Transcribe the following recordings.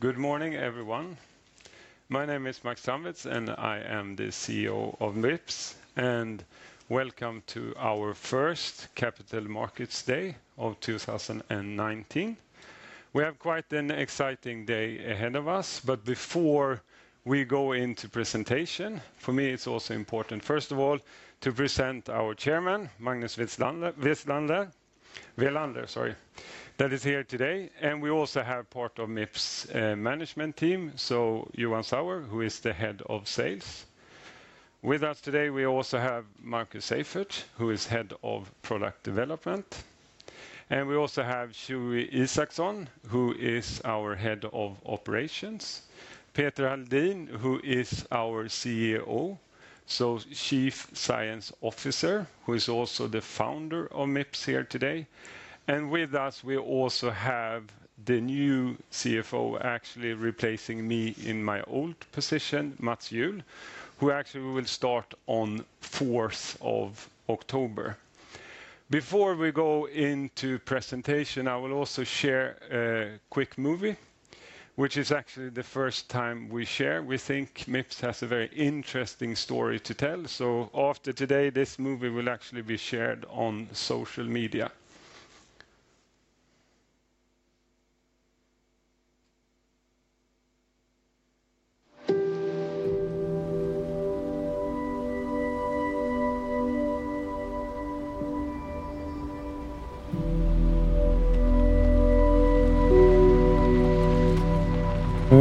Good morning, everyone. My name is Max Strandwitz, and I am the CEO of Mips. Welcome to our first Capital Markets Day of 2019. We have quite an exciting day ahead of us, but before we go into presentation, for me it's also important, first of all, to present our Chairman, Magnus Welander, that is here today. We also have part of Mips' management team, so Johan Sauer, who is the Head of Sales. With us today, we also have Marcus Seifert, who is Head of Product Development, and we also have Joey Isaksson, who is our Head of Operations. Peter Halldin, who is our CSO, so Chief Science Officer, who is also the founder of Mips here today. With us, we also have the new CFO, actually replacing me in my old position, Mats Juhl, who actually will start on 4th of October. Before we go into presentation, I will also share a quick movie, which is actually the first time we share. We think Mips has a very interesting story to tell. After today, this movie will actually be shared on social media.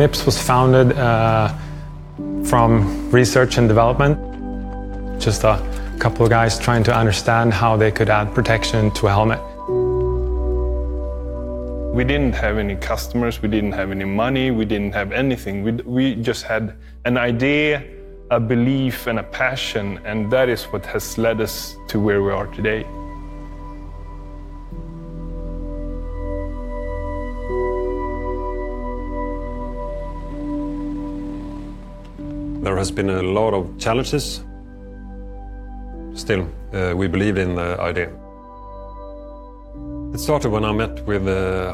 Mips was founded from research and development. Just a couple of guys trying to understand how they could add protection to a helmet. We didn't have any customers. We didn't have any money. We didn't have anything. We just had an idea, a belief, and a passion. That is what has led us to where we are today. There has been a lot of challenges. Still, we believe in the idea. It started when I met with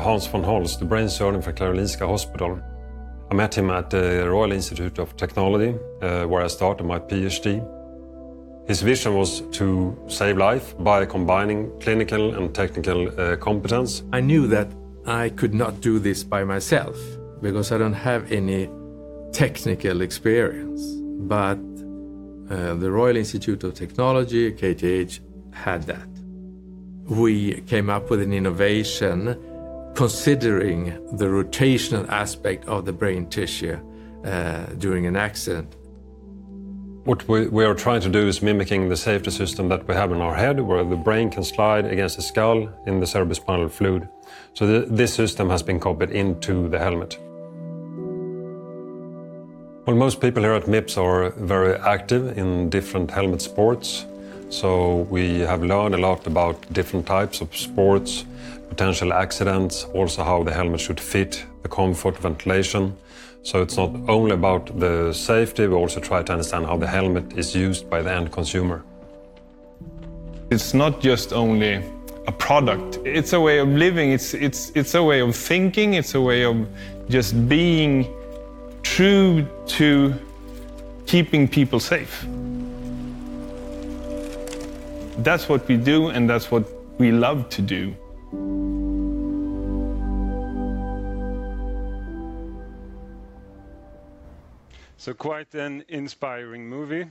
Hans von Holst, the brain surgeon for Karolinska Hospital. I met him at the Royal Institute of Technology, where I started my PhD. His vision was to save life by combining clinical and technical competence. I knew that I could not do this by myself because I don't have any technical experience, but the Royal Institute of Technology, KTH, had that. We came up with an innovation considering the rotational aspect of the brain tissue during an accident. What we are trying to do is mimicking the safety system that we have in our head, where the brain can slide against the skull in the cerebrospinal fluid. This system has been copied into the helmet. Well, most people here at Mips are very active in different helmet sports, we have learned a lot about different types of sports, potential accidents, also how the helmet should fit, the comfort, ventilation. It's not only about the safety, we also try to understand how the helmet is used by the end consumer. It's not just only a product. It's a way of living. It's a way of thinking. It's a way of just being true to keeping people safe. That's what we do, and that's what we love to do. Quite an inspiring movie.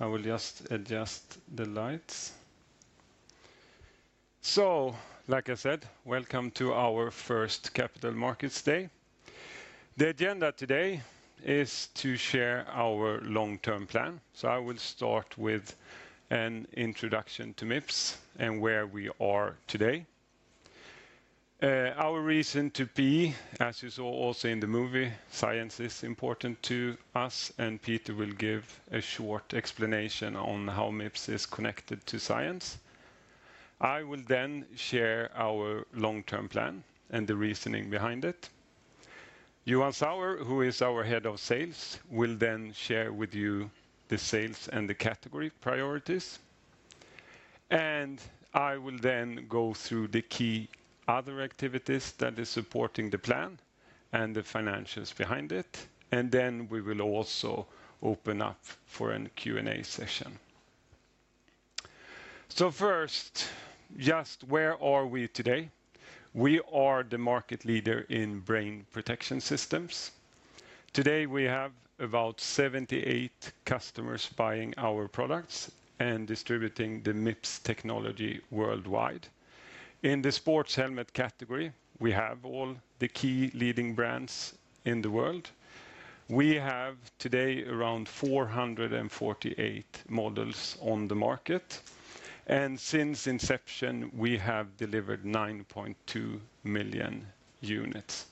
I will just adjust the lights. Like I said, welcome to our first Capital Markets Day. The agenda today is to share our long-term plan. I will start with an introduction to Mips and where we are today. Our reason to be, as you saw also in the movie, science is important to us. Peter will give a short explanation on how Mips is connected to science. I will share our long-term plan and the reasoning behind it. Johan Sauer, who is our Head of Sales, will share with you the sales and the category priorities. I will then go through the key other activities that is supporting the plan and the financials behind it. We will also open up for an Q&A session. Where are we today? We are the market leader in Brain Protection Systems. Today, we have about 78 customers buying our products and distributing the Mips technology worldwide. In the sports helmet category, we have all the key leading brands in the world. We have today around 448 models on the market, and since inception, we have delivered 9.2 million units.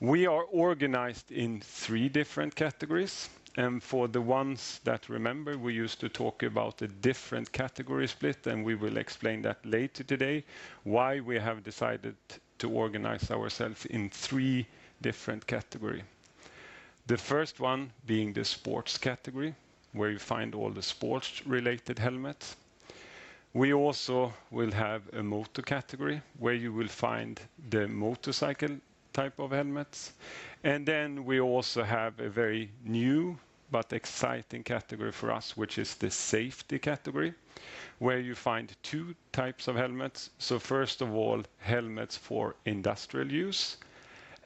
We are organized in 3 different categories, and for the ones that remember, we used to talk about a different category split, and we will explain that later today, why we have decided to organize ourselves in 3 different categories. The first one being the sports category, where you find all the sports related helmets. We also will have a motor category, where you will find the motorcycle type of helmets. Then we also have a very new but exciting category for us, which is the safety category, where you find 2 types of helmets. First of all, helmets for industrial use,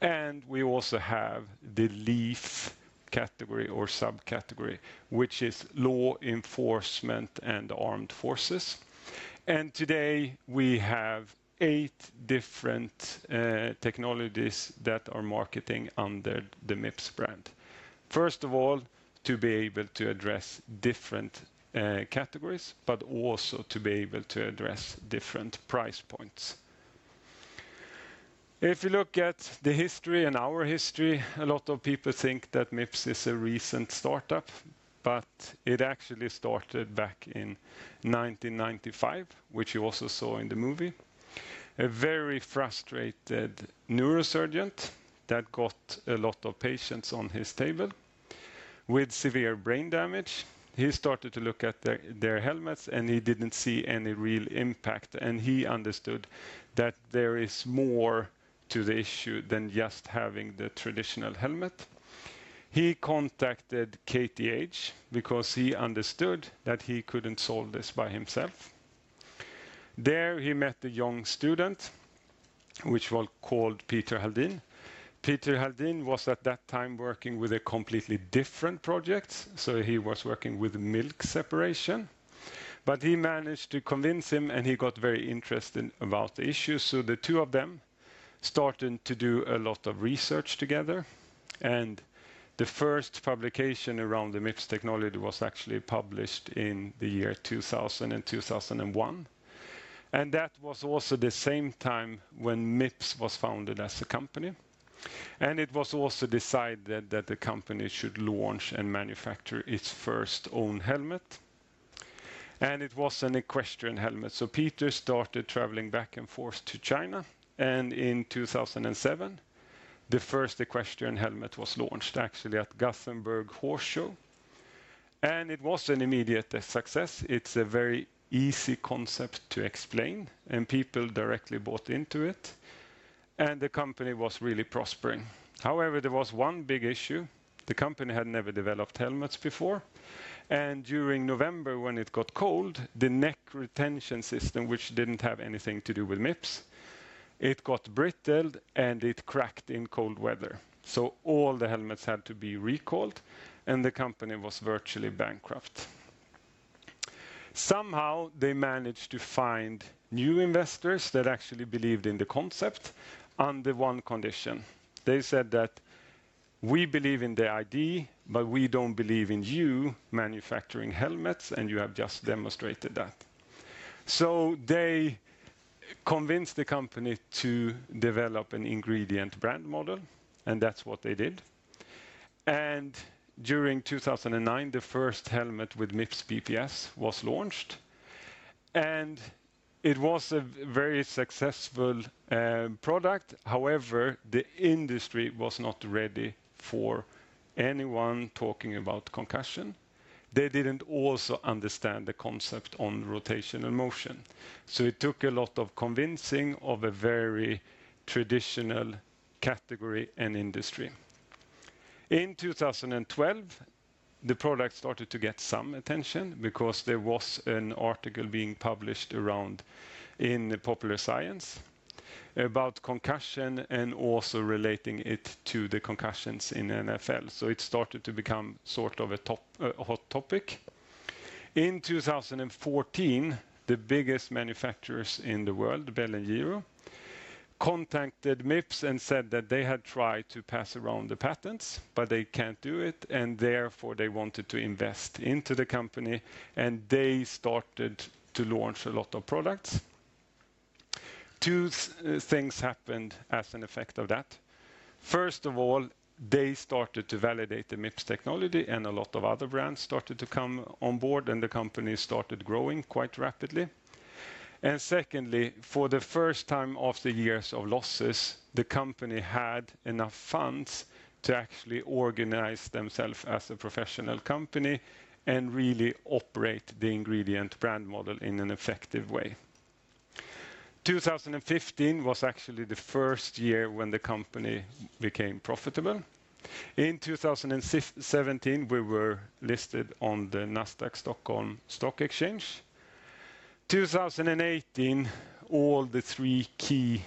and we also have the LEAF category or subcategory, which is law enforcement and armed forces. Today we have 8 different technologies that are marketing under the Mips brand. First of all, to be able to address different categories, but also to be able to address different price points. If you look at the history and our history, a lot of people think that Mips is a recent startup, but it actually started back in 1995, which you also saw in the movie. A very frustrated neurosurgeon that got a lot of patients on his table with severe brain damage. He started to look at their helmets. He didn't see any real impact. He understood that there is more to the issue than just having the traditional helmet. He contacted KTH because he understood that he couldn't solve this by himself. There he met a young student, which was called Peter Halldin. Peter Halldin was at that time working with a completely different project. He was working with milk separation. He managed to convince him. He got very interested about the issue. The two of them started to do a lot of research together. The first publication around the Mips technology was actually published in the year 2000 and 2001. That was also the same time when Mips was founded as a company. It was also decided that the company should launch and manufacture its first own helmet, and it was an equestrian helmet. Peter started traveling back and forth to China, and in 2007, the first equestrian helmet was launched actually at Gothenburg Horse Show, and it was an immediate success. It's a very easy concept to explain, and people directly bought into it, and the company was really prospering. However, there was one big issue. The company had never developed helmets before, and during November when it got cold, the neck retention system, which didn't have anything to do with Mips, it got brittled, and it cracked in cold weather. All the helmets had to be recalled, and the company was virtually bankrupt. Somehow they managed to find new investors that actually believed in the concept under one condition. They said that, "We believe in the idea, but we don't believe in you manufacturing helmets, and you have just demonstrated that." They convinced the company to develop an ingredient brand model, and that's what they did. During 2009, the first helmet with Mips BPS was launched, and it was a very successful product. However, the industry was not ready for anyone talking about concussion. They didn't also understand the concept on rotational motion. It took a lot of convincing of a very traditional category and industry. In 2012, the product started to get some attention because there was an article being published around in "Popular Science" about concussion and also relating it to the concussions in NFL. It started to become sort of a hot topic. In 2014, the biggest manufacturers in the world, Bell and Giro, contacted Mips and said that they had tried to pass around the patents, but they can't do it, and therefore they wanted to invest into the company, and they started to launch a lot of products. Two things happened as an effect of that. First of all, they started to validate the Mips technology, and a lot of other brands started to come on board, and the company started growing quite rapidly. Secondly, for the first time after years of losses, the company had enough funds to actually organize themselves as a professional company and really operate the ingredient brand model in an effective way. 2015 was actually the first year when the company became profitable. In 2017, we were listed on the Nasdaq Stockholm Stock Exchange. 2018, all the three key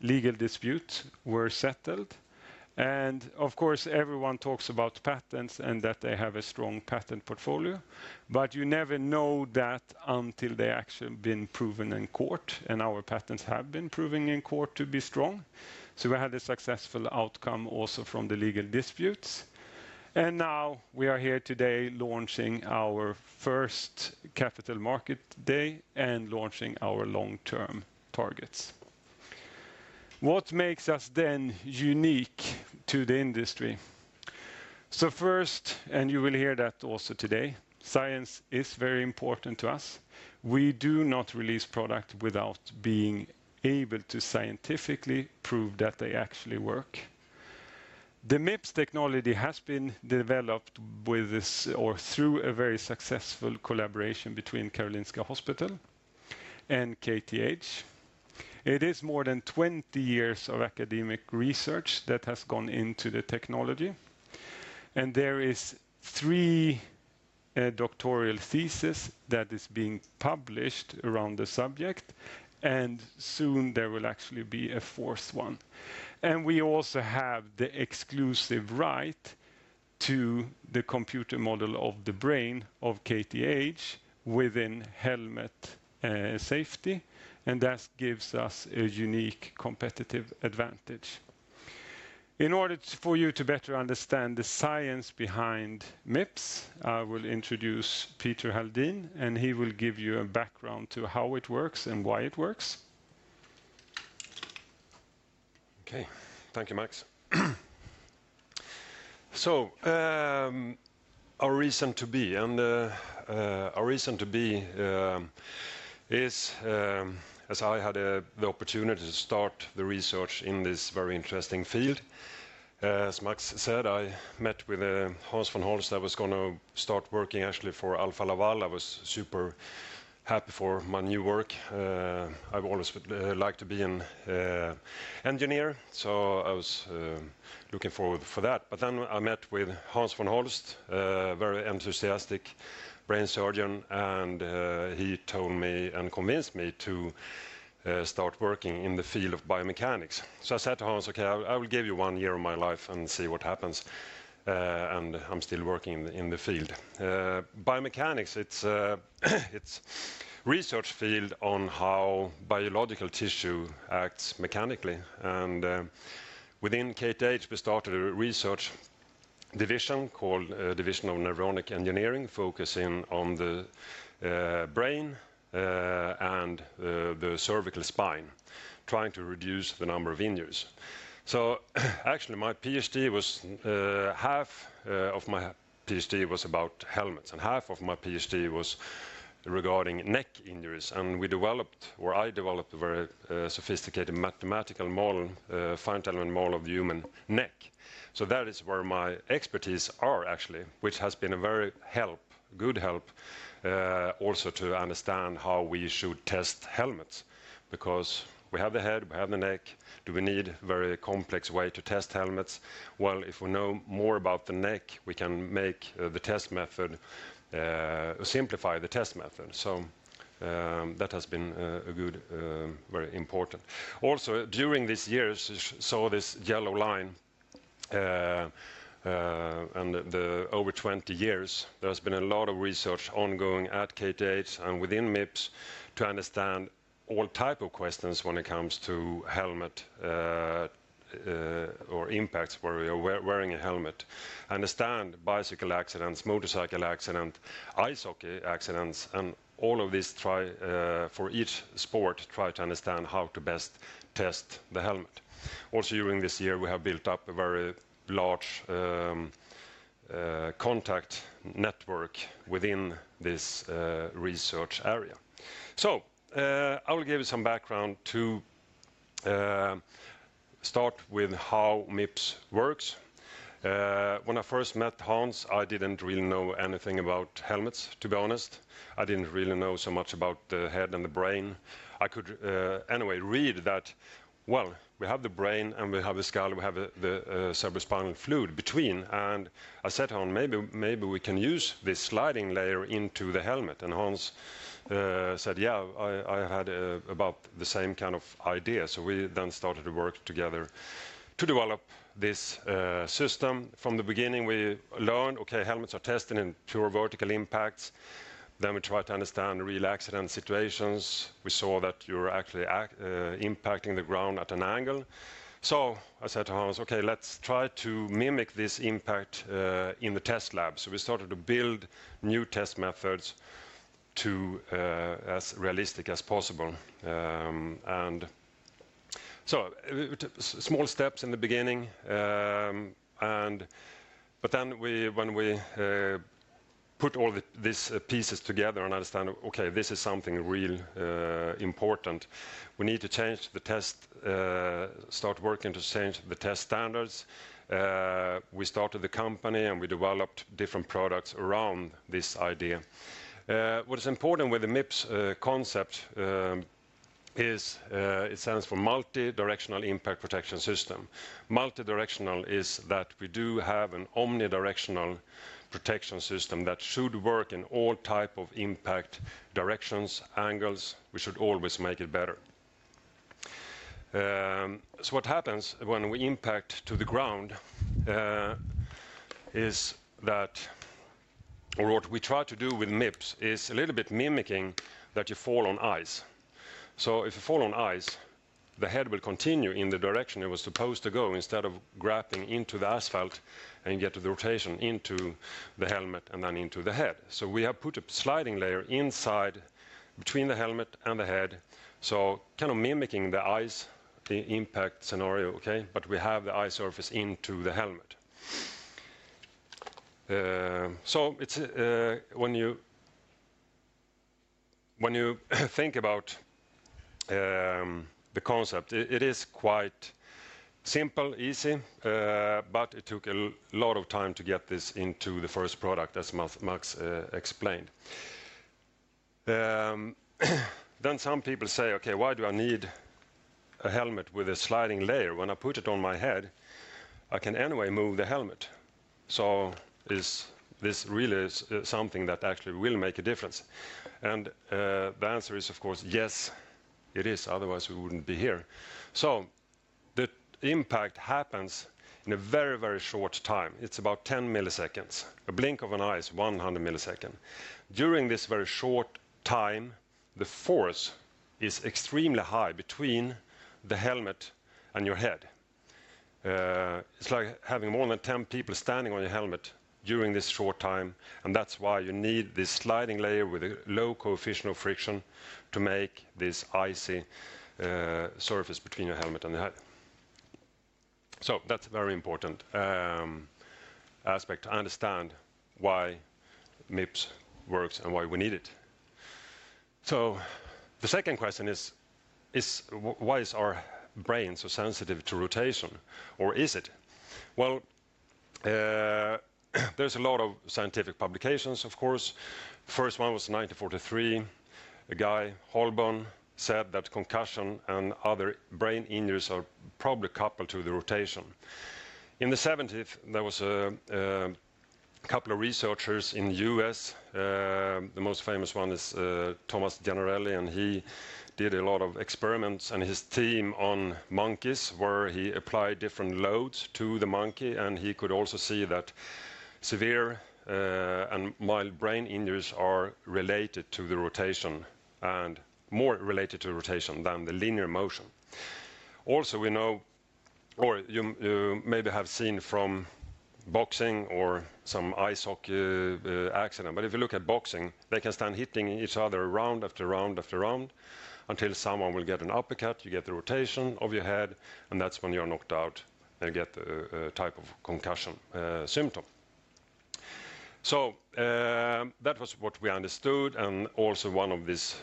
legal disputes were settled. Of course, everyone talks about patents and that they have a strong patent portfolio, but you never know that until they're actually been proven in court, and our patents have been proven in court to be strong. We had a successful outcome also from the legal disputes. Now we are here today launching our first capital market day and launching our long-term targets. What makes us unique to the industry? First, and you will hear that also today, science is very important to us. We do not release product without being able to scientifically prove that they actually work. The Mips technology has been developed through a very successful collaboration between Karolinska University Hospital and KTH. It is more than 20 years of academic research that has gone into the technology. There are three doctoral theses that are being published around the subject. Soon there will actually be a fourth one. We also have the exclusive right to the computer model of the brain of KTH within helmet safety. That gives us a unique competitive advantage. In order for you to better understand the science behind Mips, I will introduce Peter Halldin. He will give you a background to how it works and why it works. Okay. Thank you, Max. Our reason to be. Our reason to be is, as I had the opportunity to start the research in this very interesting field. As Max said, I met with Hans von Holst. I was going to start working, actually, for Alfa Laval. I was super happy for my new work. I've always liked to be an engineer, I was looking forward for that. I met with Hans von Holst, a very enthusiastic brain surgeon, and he told me and convinced me to start working in the field of biomechanics. I said to Hans, "Okay, I will give you one year of my life and see what happens." I'm still working in the field. Biomechanics, it's a research field on how biological tissue acts mechanically. Within KTH, we started a research division called Division of Neuronic Engineering, focusing on the brain, and the cervical spine, trying to reduce the number of injuries. Actually, half of my PhD was about helmets, and half of my PhD was regarding neck injuries. We developed, or I developed, a very sophisticated mathematical model, a finite element model of the human neck. That is where my expertise are actually, which has been a very good help, also to understand how we should test helmets, because we have the head, we have the neck. Do we need very complex way to test helmets? Well, if we know more about the neck, we can simplify the test method. That has been very important. During these years, you saw this yellow line, and over 20 years, there's been a lot of research ongoing at KTH and within Mips to understand all type of questions when it comes to helmet, or impacts where we are wearing a helmet. Understand bicycle accidents, motorcycle accident, ice hockey accidents, and all of this for each sport, try to understand how to best test the helmet. During this year, we have built up a very large contact network within this research area. I will give you some background to start with how Mips works. When I first met Hans, I didn't really know anything about helmets, to be honest. I didn't really know so much about the head and the brain. I could, anyway, read that, well, we have the brain, and we have the skull, we have the cerebrospinal fluid between. I said, "Hans, maybe we can use this sliding layer into the helmet." Hans said, "Yeah, I had about the same kind of idea." We then started to work together to develop this system. From the beginning, we learned, okay, helmets are tested in pure vertical impacts. We tried to understand real accident situations. We saw that you're actually impacting the ground at an angle. I said to Hans, "Okay, let's try to mimic this impact in the test lab." We started to build new test methods as realistic as possible. Small steps in the beginning, when we put all these pieces together and understand, okay, this is something real important. We need to start working to change the test standards. We started the company, and we developed different products around this idea. What is important with the Mips concept is, it stands for Multi-Directional Impact Protection System. Multi-Directional is that we do have an omnidirectional protection system that should work in all type of impact directions, angles. We should always make it better. What happens when we impact to the ground, or what we try to do with Mips, is a little bit mimicking that you fall on ice. If you fall on ice, the head will continue in the direction it was supposed to go instead of grappling into the asphalt and get the rotation into the helmet and then into the head. We have put a sliding layer inside between the helmet and the head, kind of mimicking the ice impact scenario, but we have the ice surface into the helmet. When you think about the concept, it is quite simple, easy, but it took a lot of time to get this into the first product, as Max explained. Some people say, "Okay, why do I need a helmet with a sliding layer? When I put it on my head, I can anyway move the helmet. Is this really something that actually will make a difference?" The answer is, of course, yes, it is. Otherwise, we wouldn't be here. The impact happens in a very short time. It's about 10 milliseconds. A blink of an eye is 100 milliseconds. During this very short time, the force is extremely high between the helmet and your head. It's like having more than 10 people standing on your helmet during this short time, and that's why you need this sliding layer with a low coefficient of friction to make this icy surface between your helmet and the head. That's a very important aspect to understand why Mips works and why we need it. The second question is, why is our brain so sensitive to rotation, or is it? There's a lot of scientific publications, of course. First one was 1943. A guy, Holbourn, said that concussion and other brain injuries are probably coupled to the rotation. In the '70s, there was a couple of researchers in the U.S. The most famous one is Thomas Gennarelli, and he did a lot of experiments and his team on monkeys, where he applied different loads to the monkey, and he could also see that severe and mild brain injuries are related to the rotation, and more related to rotation than the linear motion. We know, or you maybe have seen from boxing or some ice hockey accident, but if you look at boxing, they can stand hitting each other round after round until someone will get an uppercut. You get the rotation of your head, and that's when you're knocked out and get a type of concussion symptom. That was what we understood, and also one of these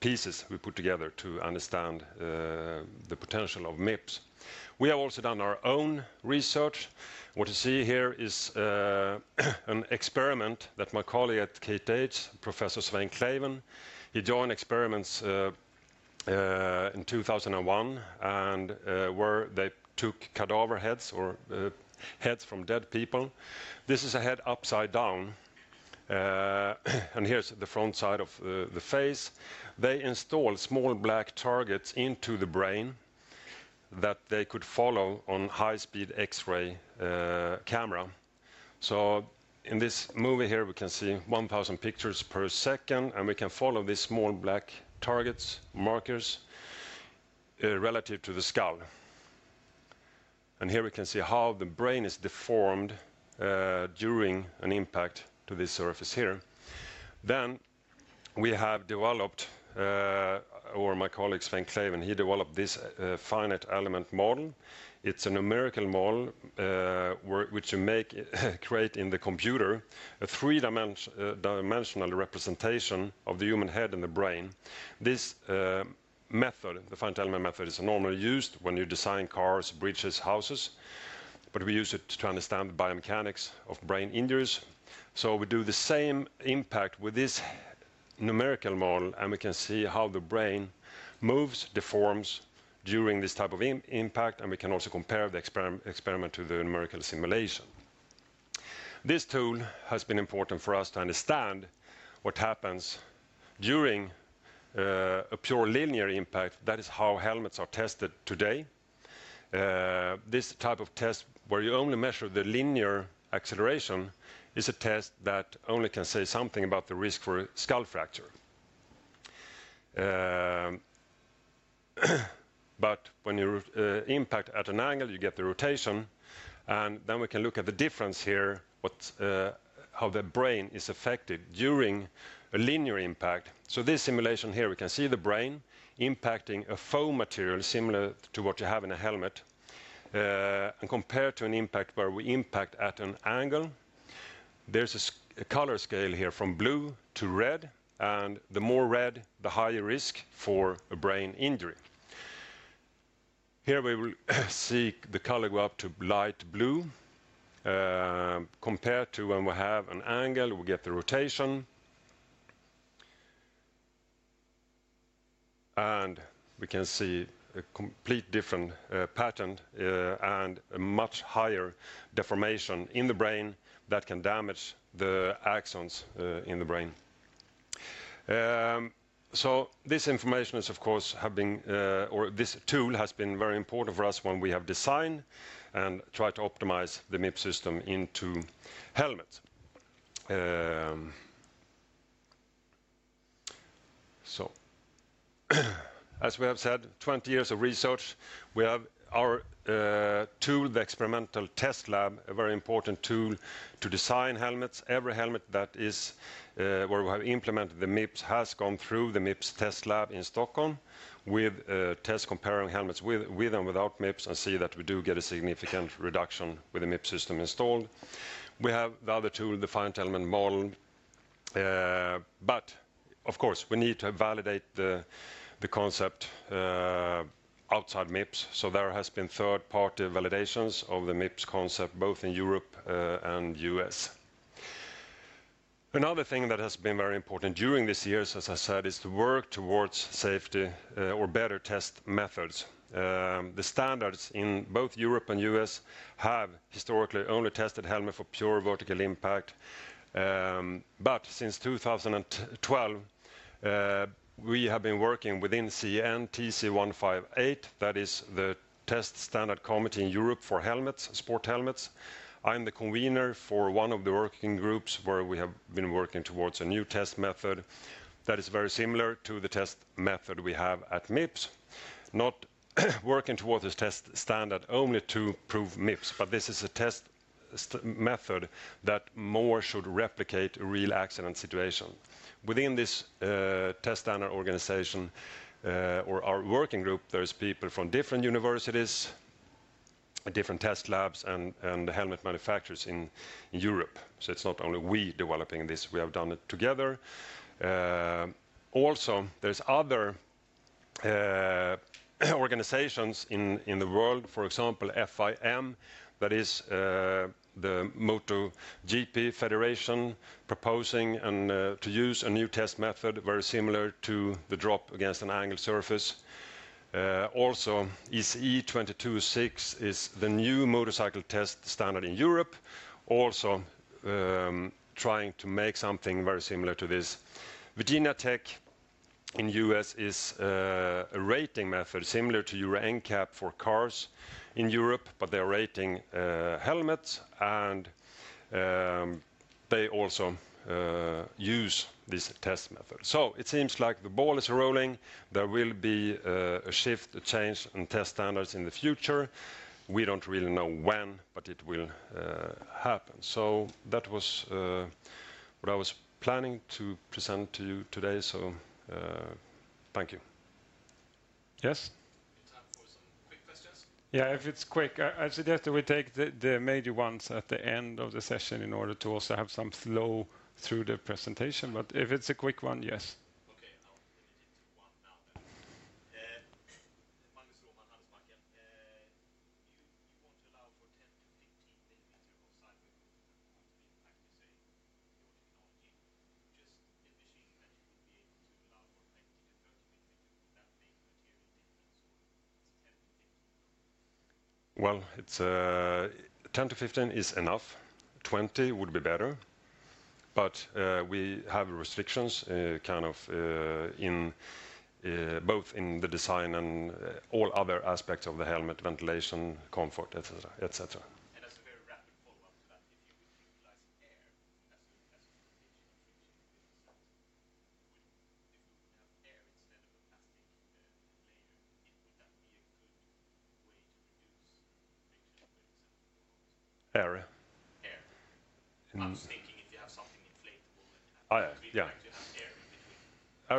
pieces we put together to understand the potential of Mips. We have also done our own research. What you see here is an experiment that my colleague at KTH, Professor Svein Kleiven, he joined experiments in 2001, where they took cadaver heads or heads from dead people. This is a head upside down, here's the front side of the face. They install small black targets into the brain that they could follow on high-speed X-ray camera. In this movie here, we can see 1,000 pictures per second, we can follow these small black targets, markers, relative to the skull. Here we can see how the brain is deformed during an impact to this surface here. We have developed, or my colleague, Svein Kleiven, he developed this finite element model. It's a numerical model, which you create in the computer, a three-dimensional representation of the human head and the brain. This method, the finite element method, is normally used when you design cars, bridges, houses, but we use it to understand the biomechanics of brain injuries. We do the same impact with this numerical model, and we can see how the brain moves, deforms during this type of impact, and we can also compare the experiment to the numerical simulation. This tool has been important for us to understand what happens during a pure linear impact. That is how helmets are tested today. This type of test where you only measure the linear acceleration is a test that only can say something about the risk for a skull fracture. When you impact at an angle, you get the rotation, and then we can look at the difference here, how the brain is affected during a linear impact. This simulation here, we can see the brain impacting a foam material similar to what you have in a helmet. Compared to an impact where we impact at an angle, there's a color scale here from blue to red, and the more red, the higher risk for a brain injury. Here we will see the color go up to light blue, compared to when we have an angle, we get the rotation. We can see a complete different pattern, and a much higher deformation in the brain that can damage the axons in the brain. This information, or this tool has been very important for us when we have designed and tried to optimize the Mips system into helmets. As we have said, 20 years of research, we have our tool, the experimental test lab, a very important tool to design helmets. Every helmet where we have implemented the Mips has gone through the Mips test lab in Stockholm with a test comparing helmets with and without Mips, and see that we do get a significant reduction with the Mips system installed. We have the other tool, the finite element model. Of course, we need to validate the concept outside Mips. There has been third party validations of the Mips concept, both in Europe and U.S. Another thing that has been very important during this year, as I said, is to work towards safety or better test methods. The standards in both Europe and U.S. have historically only tested helmet for pure vertical impact. Since 2012, we have been working within CEN/TC 158. That is the test standard committee in Europe for sport helmets. I'm the convener for one of the working groups, where we have been working towards a new test method that is very similar to the test method we have at Mips, not working towards this test standard only to prove Mips. This is a test method that more should replicate a real accident situation. Within this test standard organization, or our working group, there's people from different universities, different test labs, and helmet manufacturers in Europe. It's not only we developing this, we have done it together. There's other organizations in the world, for example, FIM, that is the MotoGP federation proposing and to use a new test method very similar to the drop against an angled surface. ECE 22.06 is the new motorcycle test standard in Europe, also trying to make something very similar to this. Virginia Tech in the U.S. is a rating method similar to Euro NCAP for cars in Europe, but they're rating helmets and they also use this test method. It seems like the ball is rolling. There will be a shift, a change in test standards in the future. We don't really know when, but it will happen. That was what I was planning to present to you today. Thank you. Yes. Time for some quick questions. Yeah, if it's quick. I suggest that we take the major ones at the end of the session in order to also have some flow through the presentation. If it's a quick one, yes.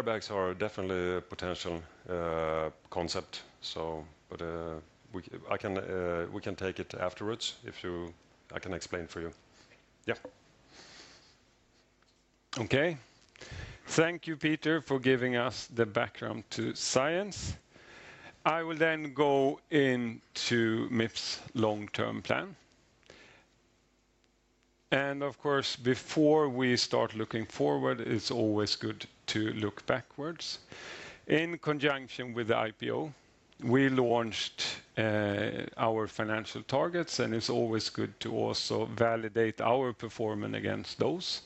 are definitely a potential concept. We can take it afterwards. I can explain for you. Thank you. Yeah. Okay. Thank you, Peter, for giving us the background to science. I will go into Mips' long term plan. Of course, before we start looking forward, it's always good to look backwards. In conjunction with the IPO, we launched our financial targets, it's always good to also validate our performance against those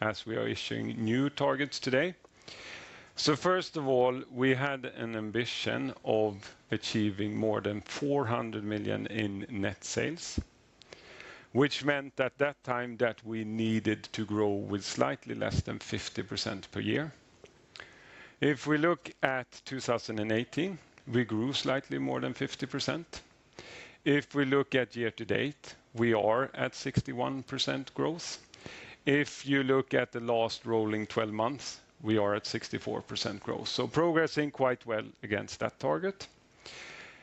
as we are issuing new targets today. First of all, we had an ambition of achieving more than 400 million in net sales, which meant at that time that we needed to grow with slightly less than 50% per year. If we look at 2018, we grew slightly more than 50%. If we look at year to date, we are at 61% growth. If you look at the last rolling 12 months, we are at 64% growth. Progressing quite well against that target.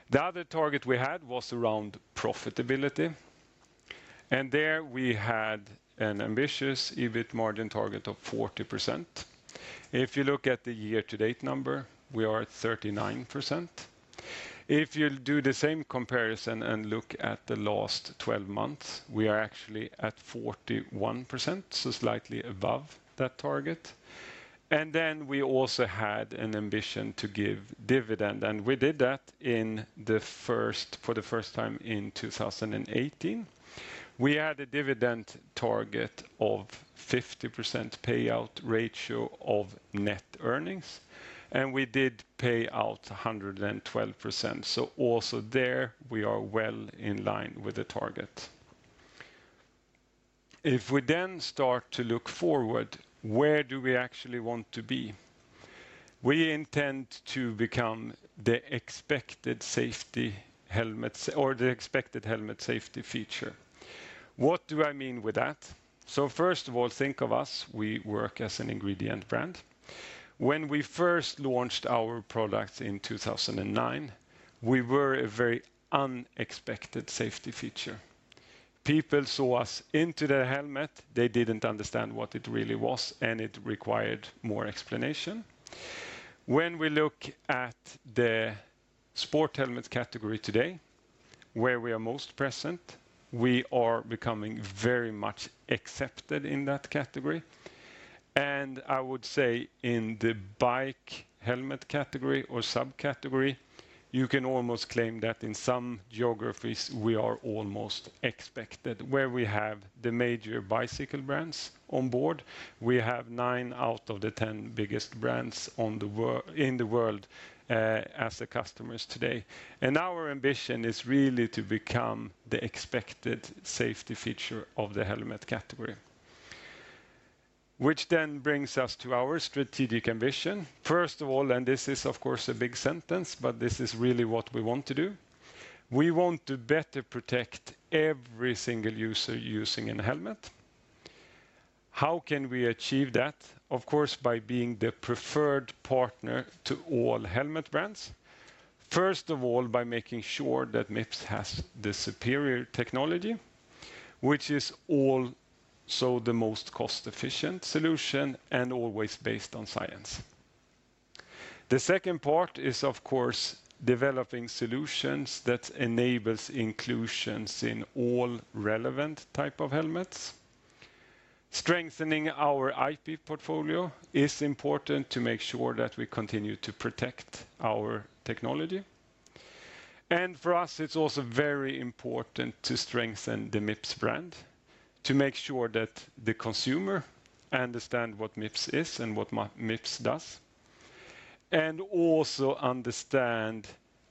The other target we had was around profitability. There we had an ambitious EBIT margin target of 40%. If you look at the year to date number, we are at 39%. If you do the same comparison and look at the last 12 months, we are actually at 41%, so slightly above that target. We also had an ambition to give dividend, and we did that for the first time in 2018. We had a dividend target of 50% payout ratio of net earnings, and we did pay out 112%. Also there, we are well in line with the target. If we then start to look forward, where do we actually want to be? We intend to become the expected safety helmets or the expected helmet safety feature. What do I mean with that? First of all, think of us. We work as an ingredient brand. When we first launched our product in 2009, we were a very unexpected safety feature. People saw us into the helmet, they didn't understand what it really was. It required more explanation. When we look at the sport helmet category today, where we are most present, we are becoming very much accepted in that category. I would say in the bike helmet category or subcategory, you can almost claim that in some geographies, we are almost expected where we have the major bicycle brands on board. We have nine out of the 10 biggest brands in the world as the customers today. Our ambition is really to become the expected safety feature of the helmet category. Which brings us to our strategic ambition. First of all, this is, of course, a big sentence, this is really what we want to do. We want to better protect every single user using a helmet. How can we achieve that? Of course, by being the preferred partner to all helmet brands. First of all, by making sure that Mips has the superior technology, which is also the most cost-efficient solution and always based on science. The second part is, of course, developing solutions that enable inclusions in all relevant type of helmets. Strengthening our IP portfolio is important to make sure that we continue to protect our technology. For us, it's also very important to strengthen the Mips brand, to make sure that the consumer understand what Mips is and what Mips does, and also understand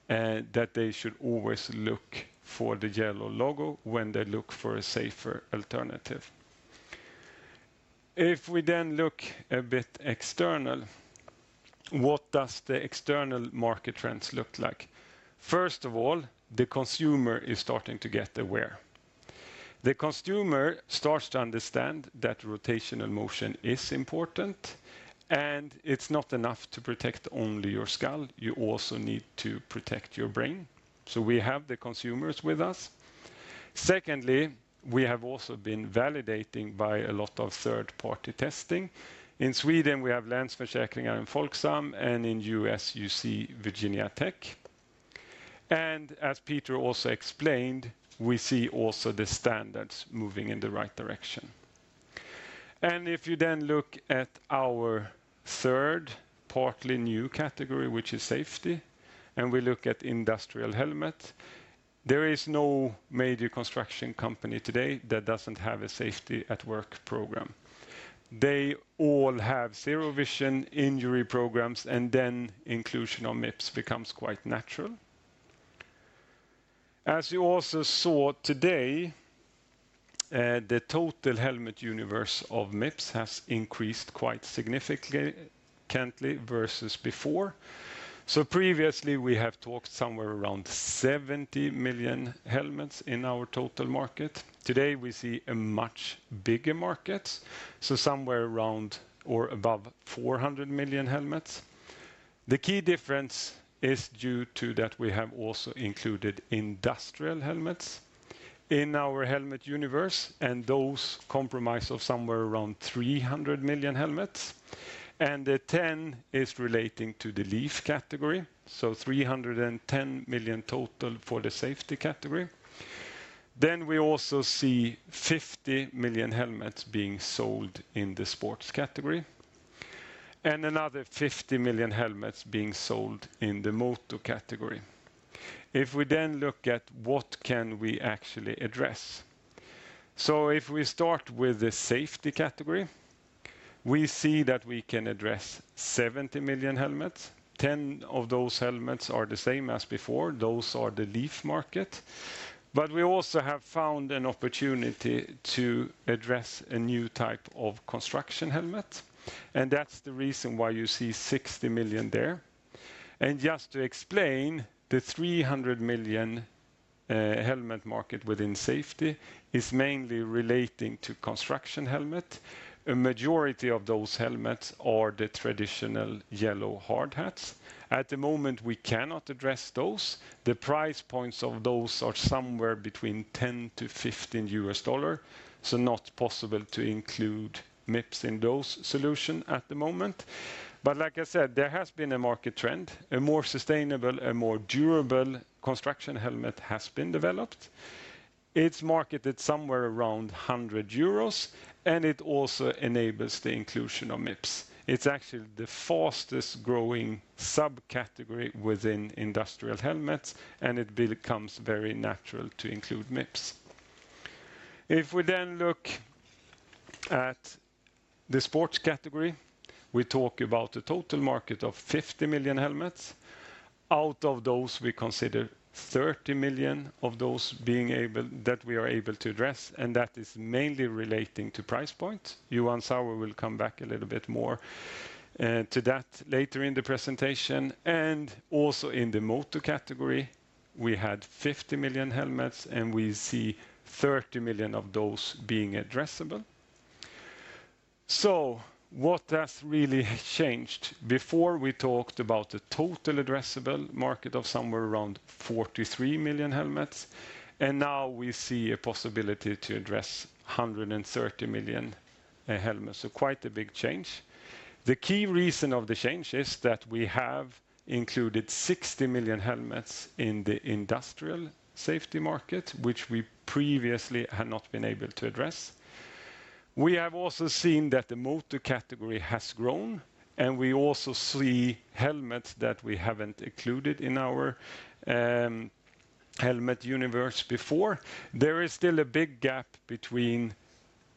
that they should always look for the yellow logo when they look for a safer alternative. If we then look a bit external, what does the external market trends look like? First of all, the consumer is starting to get aware. The consumer starts to understand that rotational motion is important, and it's not enough to protect only your skull, you also need to protect your brain. We have the consumers with us. Secondly, we have also been validating by a lot of third-party testing. In Sweden, we have Länsförsäkringar and Folksam, in U.S., you see Virginia Tech. As Peter also explained, we see also the standards moving in the right direction. If you then look at our third partly new category, which is safety, and we look at industrial helmet, there is no major construction company today that doesn't have a safety at work program. They all have zero vision injury programs, then inclusion on Mips becomes quite natural. As you also saw today, the total helmet universe of Mips has increased quite significantly versus before. Previously, we have talked somewhere around 70 million helmets in our total market. Today, we see a much bigger market, somewhere around or above 400 million helmets. The key difference is due to that we have also included industrial helmets in our helmet universe, those comprise of somewhere around 300 million helmets, the 10 is relating to the LEAF category. 310 million total for the safety category. We also see 50 million helmets being sold in the sports category, another 50 million helmets being sold in the motor category. If we then look at what can we actually address? If we start with the safety category, we see that we can address 70 million helmets. 10 of those helmets are the same as before. Those are the LEAF market. We also have found an opportunity to address a new type of construction helmet, and that's the reason why you see 60 million there. Just to explain, the 300 million helmet market within safety is mainly relating to construction helmet. A majority of those helmets are the traditional yellow hard hats. At the moment, we cannot address those. The price points of those are somewhere between $10-$15, not possible to include Mips in those solution at the moment. Like I said, there has been a market trend, a more sustainable and more durable construction helmet has been developed. It's marketed somewhere around 100 euros, it also enables the inclusion of Mips. It's actually the fastest growing subcategory within industrial helmets, it becomes very natural to include Mips. If we look at the sports category, we talk about a total market of 50 million helmets. Out of those, we consider 30 million of those that we are able to address, that is mainly relating to price point. Johan Sauer will come back a little bit more to that later in the presentation. Also in the motor category, we had 50 million helmets, we see 30 million of those being addressable. What has really changed? Before we talked about the total addressable market of somewhere around 43 million helmets, now we see a possibility to address 130 million helmets. Quite a big change. The key reason of the change is that we have included 60 million helmets in the industrial safety market, which we previously had not been able to address. We have also seen that the Moto category has grown. We also see helmets that we haven't included in our helmet universe before. There is still a big gap between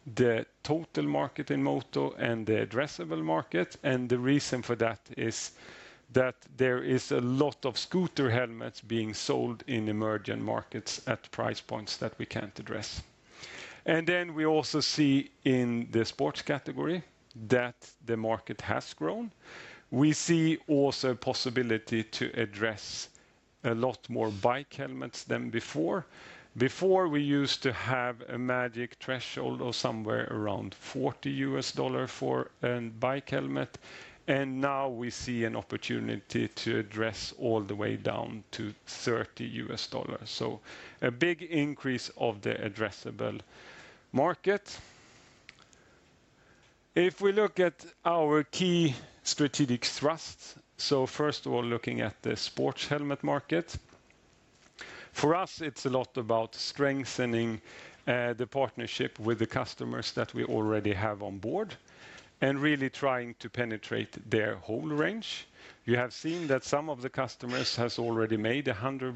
the total market in Moto and the addressable market. The reason for that is that there is a lot of scooter helmets being sold in emerging markets at price points that we can't address. We also see in the sports category that the market has grown. We see also a possibility to address a lot more bike helmets than before. Before, we used to have a magic threshold of somewhere around $40 US for a bike helmet. Now we see an opportunity to address all the way down to $30 US. A big increase of the addressable market. If we look at our key strategic thrust. First of all, looking at the sports helmet market. For us, it's a lot about strengthening the partnership with the customers that we already have on board and really trying to penetrate their whole range. You have seen that some of the customers has already made 100%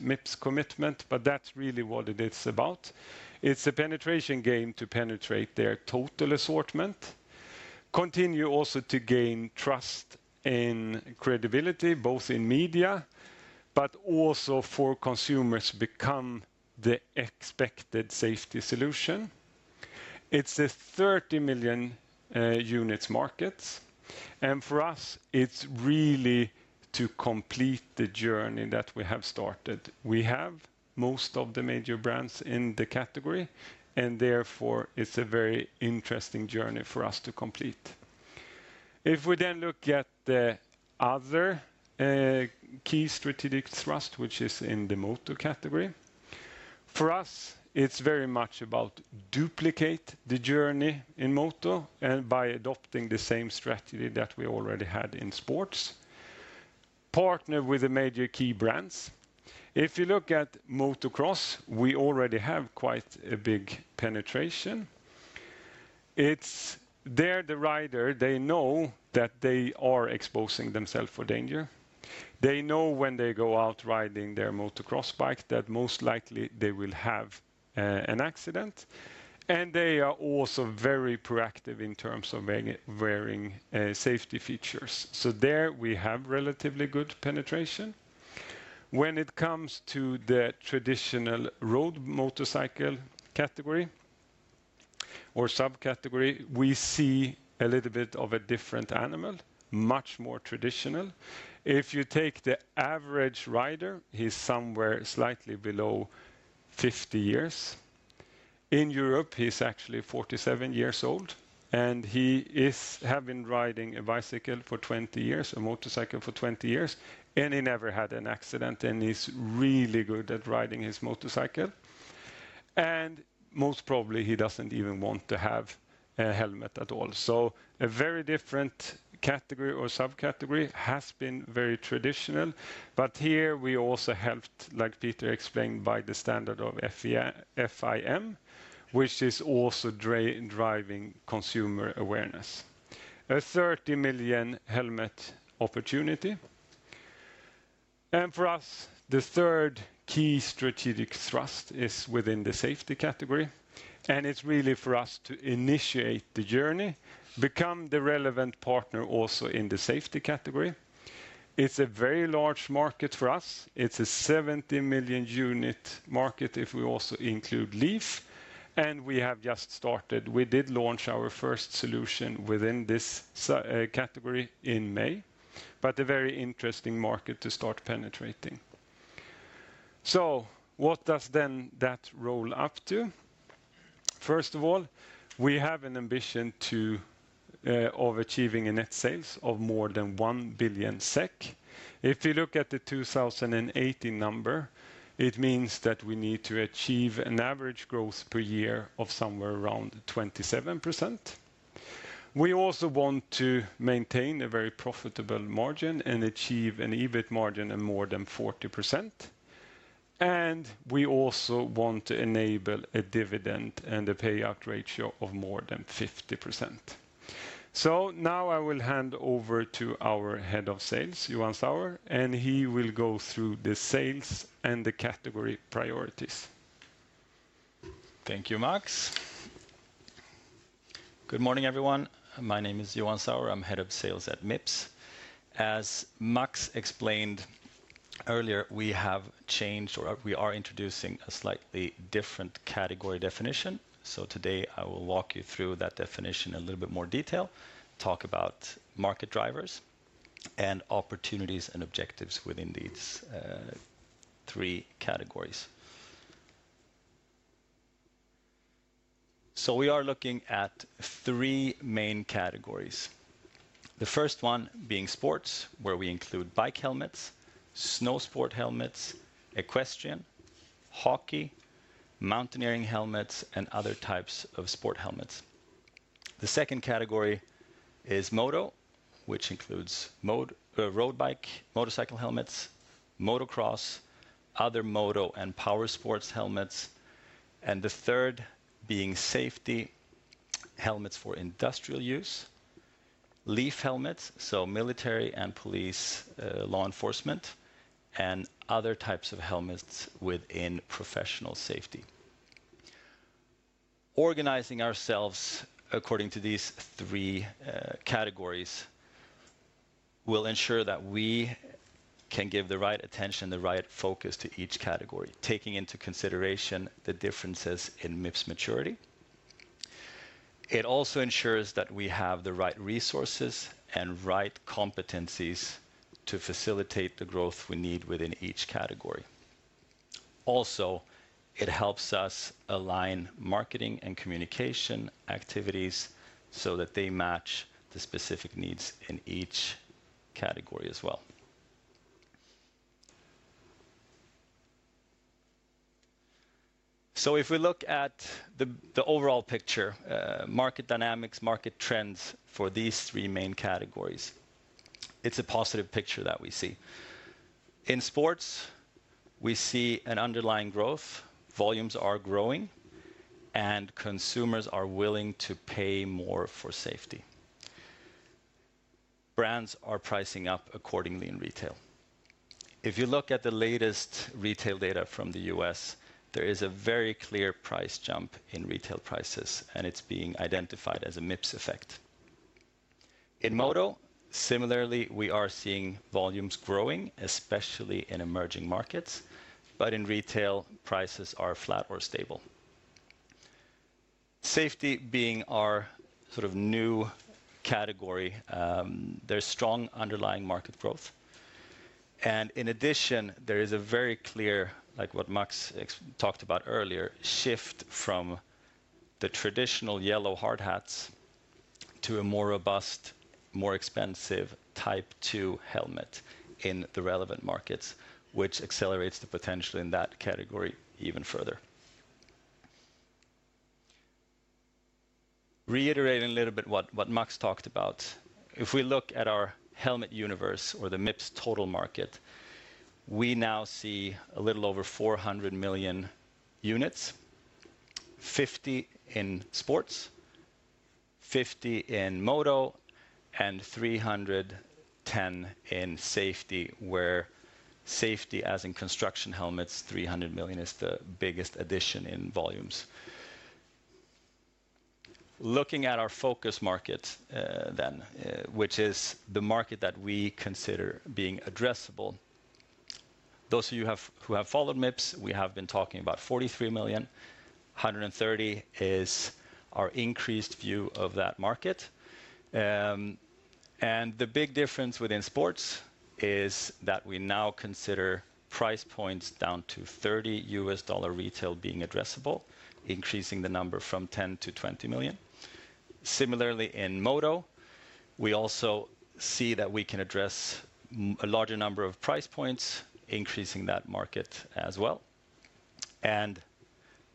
Mips commitment, but that's really what it is about. It's a penetration game to penetrate their total assortment. Continue also to gain trust and credibility, both in media, but also for consumers become the expected safety solution. It's a 30 million units market, and for us it's really to complete the journey that we have started. We have most of the major brands in the category, and therefore it's a very interesting journey for us to complete. If we then look at the other key strategic thrust, which is in the Moto category. For us, it's very much about duplicate the journey in Moto and by adopting the same strategy that we already had in sports. Partner with the major key brands. If you look at motocross, we already have quite a big penetration. There the rider, they know that they are exposing themselves for danger. They know when they go out riding their motocross bike that most likely they will have an accident, and they are also very proactive in terms of wearing safety features. There we have relatively good penetration. When it comes to the traditional road motorcycle category or subcategory, we see a little bit of a different animal, much more traditional. If you take the average rider, he's somewhere slightly below 50 years. In Europe, he's actually 47 years old, and he have been riding a motorcycle for 20 years. He never had an accident, and he's really good at riding his motorcycle. Most probably he doesn't even want to have a helmet at all. A very different category or subcategory, has been very traditional. Here we also helped, like Peter explained, by the standard of FIM, which is also driving consumer awareness. A 30 million helmet opportunity. For us, the third key strategic thrust is within the safety category, and it's really for us to initiate the journey, become the relevant partner also in the safety category. It's a very large market for us. It's a 70 million unit market if we also include LEAF, and we have just started. We did launch our first solution within this category in May, a very interesting market to start penetrating. What does that roll up to? First of all, we have an ambition of achieving a net sales of more than 1 billion SEK. If you look at the 2018 number, it means that we need to achieve an average growth per year of somewhere around 27%. We also want to maintain a very profitable margin and achieve an EBIT margin of more than 40%. We also want to enable a dividend and a payout ratio of more than 50%. Now I will hand over to our Head of Sales, Johan Sauer, and he will go through the sales and the category priorities. Thank you, Max. Good morning, everyone. My name is Johan Sauer. I'm head of sales at Mips. As Max explained earlier, we have changed, or we are introducing a slightly different category definition. Today, I will walk you through that definition in a little bit more detail, talk about market drivers and opportunities and objectives within these 3 categories. We are looking at 3 main categories. The first one being sports, where we include bike helmets, snow sport helmets, equestrian, hockey, mountaineering helmets, and other types of sport helmets. The second category is moto, which includes road bike, motorcycle helmets, motocross, other moto and power sports helmets. The third being safety helmets for industrial use, LEAF helmets, so military and police law enforcement, and other types of helmets within professional safety. Organizing ourselves according to these 3 categories will ensure that we can give the right attention, the right focus to each category, taking into consideration the differences in Mips maturity. It also ensures that we have the right resources and right competencies to facilitate the growth we need within each category. It helps us align marketing and communication activities so that they match the specific needs in each category as well. If we look at the overall picture, market dynamics, market trends for these 3 main categories, it's a positive picture that we see. In sports, we see an underlying growth. Volumes are growing, and consumers are willing to pay more for safety. Brands are pricing up accordingly in retail. If you look at the latest retail data from the U.S., there is a very clear price jump in retail prices. It's being identified as a Mips effect. In moto, similarly, we are seeing volumes growing, especially in emerging markets. In retail, prices are flat or stable. Safety being our sort of new category, there's strong underlying market growth. In addition, there is a very clear, like what Max talked about earlier, shift from the traditional yellow hard hats to a more robust, more expensive Type 2 helmet in the relevant markets, which accelerates the potential in that category even further. Reiterating a little bit what Max talked about. If we look at our helmet universe or the Mips total market, we now see a little over 400 million units, 50 in sports, 50 in moto, and 310 in safety, where safety as in construction helmets, 300 million is the biggest addition in volumes. Looking at our focus market then, which is the market that we consider being addressable. Those of you who have followed Mips, we have been talking about 43 million, 130 is our increased view of that market. The big difference within sports is that we now consider price points down to $30 retail being addressable, increasing the number from 10 million to 20 million. Similarly, in moto, we also see that we can address a larger number of price points, increasing that market as well.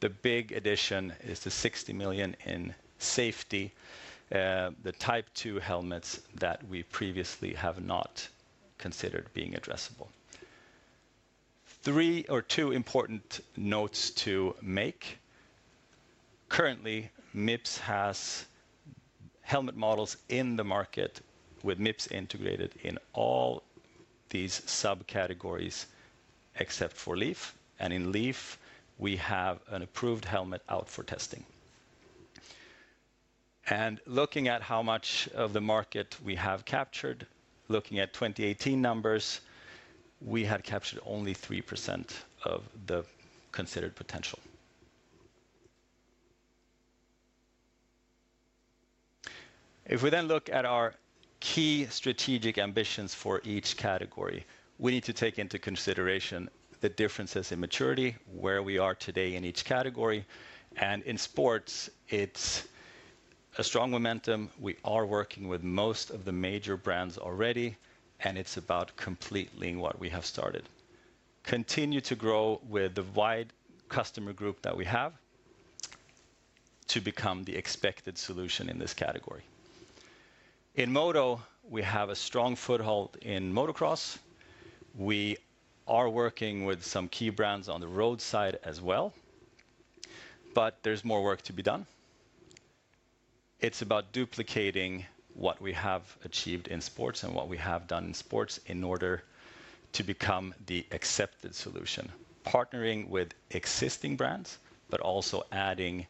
The big addition is the 60 million in safety, the type 2 helmets that we previously have not considered being addressable. Two important notes to make. Currently, Mips has helmet models in the market with Mips integrated in all these subcategories except for LEAF. In LEAF, we have an approved helmet out for testing. Looking at how much of the market we have captured, looking at 2018 numbers, we had captured only 3% of the considered potential. If we look at our key strategic ambitions for each category, we need to take into consideration the differences in maturity, where we are today in each category. In sports, it's a strong momentum. We are working with most of the major brands already, and it's about completing what we have started. Continue to grow with the wide customer group that we have to become the expected solution in this category. In Moto, we have a strong foothold in motocross. We are working with some key brands on the road side as well, but there's more work to be done. It's about duplicating what we have achieved in sports and what we have done in sports in order to become the accepted solution, partnering with existing brands, but also adding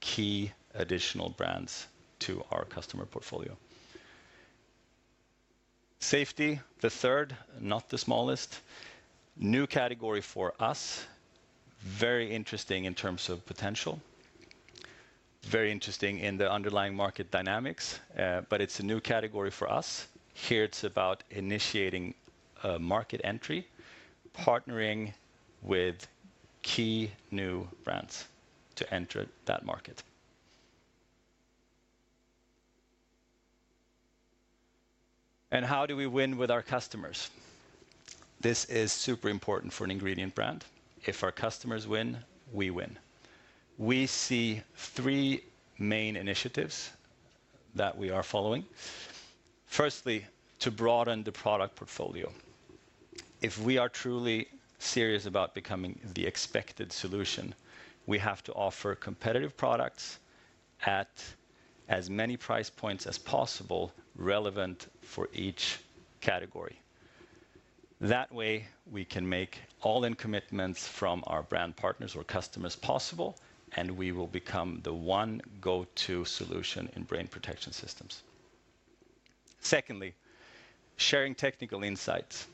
key additional brands to our customer portfolio. Safety, the third, not the smallest. New category for us. Very interesting in terms of potential. Very interesting in the underlying market dynamics, but it's a new category for us. Here, it's about initiating market entry, partnering with key new brands to enter that market. How do we win with our customers? This is super important for an ingredient brand. If our customers win, we win. We see three main initiatives that we are following. Firstly, to broaden the product portfolio. If we are truly serious about becoming the expected solution, we have to offer competitive products at as many price points as possible relevant for each category. That way, we can make all-in commitments from our brand partners or customers possible, and we will become the one go-to solution in Brain Protection Systems. Secondly, sharing technical insights.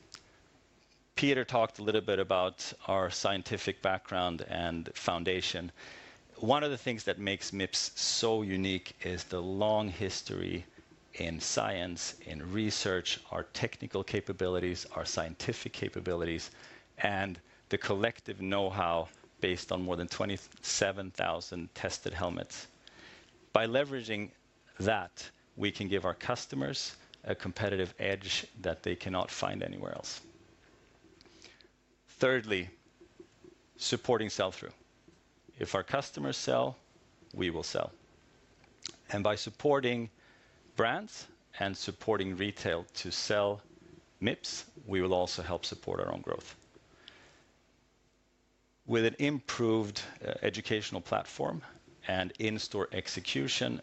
Peter talked a little bit about our scientific background and foundation. One of the things that makes Mips so unique is the long history in science, in research, our technical capabilities, our scientific capabilities, and the collective knowhow based on more than 27,000 tested helmets. By leveraging that, we can give our customers a competitive edge that they cannot find anywhere else. Thirdly, supporting sell-through. If our customers sell, we will sell. By supporting brands and supporting retail to sell Mips, we will also help support our own growth. With an improved educational platform and in-store execution,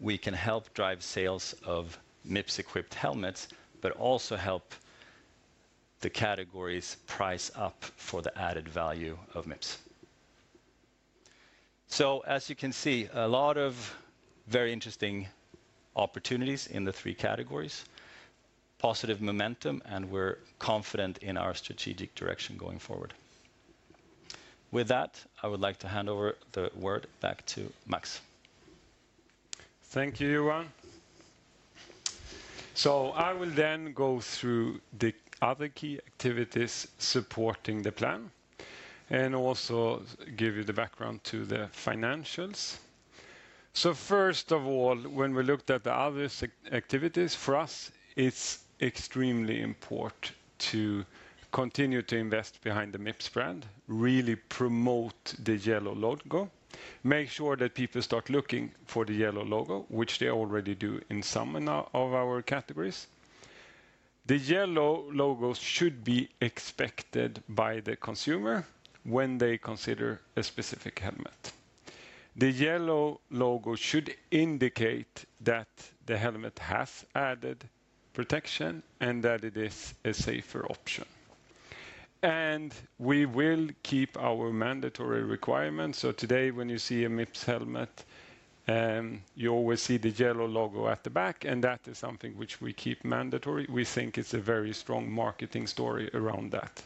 we can help drive sales of Mips-equipped helmets, but also help the categories price up for the added value of Mips. As you can see, a lot of very interesting opportunities in the three categories, positive momentum, and we're confident in our strategic direction going forward. With that, I would like to hand over the word back to Max. Thank you, Johan. I will then go through the other key activities supporting the plan and also give you the background to the financials. First of all, when we looked at the other activities, for us, it's extremely important to continue to invest behind the Mips brand, really promote the yellow logo, make sure that people start looking for the yellow logo, which they already do in some of our categories. The yellow logo should be expected by the consumer when they consider a specific helmet. The yellow logo should indicate that the helmet has added protection and that it is a safer option. We will keep our mandatory requirements. Today, when you see a Mips helmet, you always see the yellow logo at the back, and that is something which we keep mandatory. We think it's a very strong marketing story around that.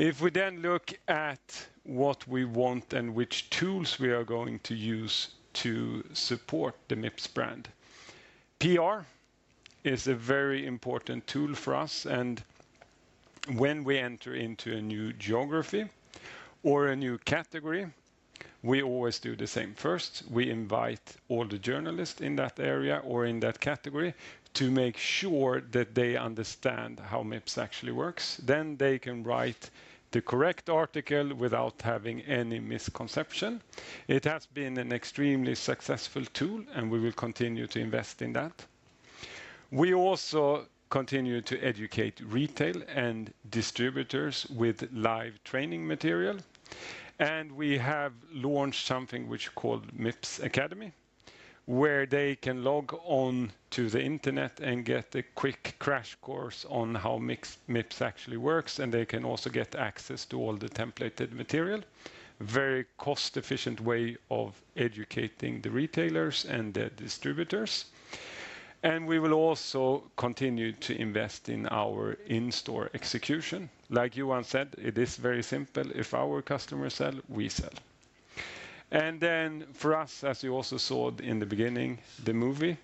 If we then look at what we want and which tools we are going to use to support the Mips brand. PR is a very important tool for us, and when we enter into a new geography or a new category, we always do the same. First, we invite all the journalists in that area or in that category to make sure that they understand how Mips actually works. They can write the correct article without having any misconception. It has been an extremely successful tool, and we will continue to invest in that. We also continue to educate retail and distributors with live training material, and we have launched something which is called Mips Academy, where they can log on to the internet and get a quick crash course on how Mips actually works, and they can also get access to all the templated material. Very cost-efficient way of educating the retailers and the distributors. We will also continue to invest in our in-store execution. Like Johan said, it is very simple. If our customers sell, we sell. For us, as you also saw in the beginning, the movie,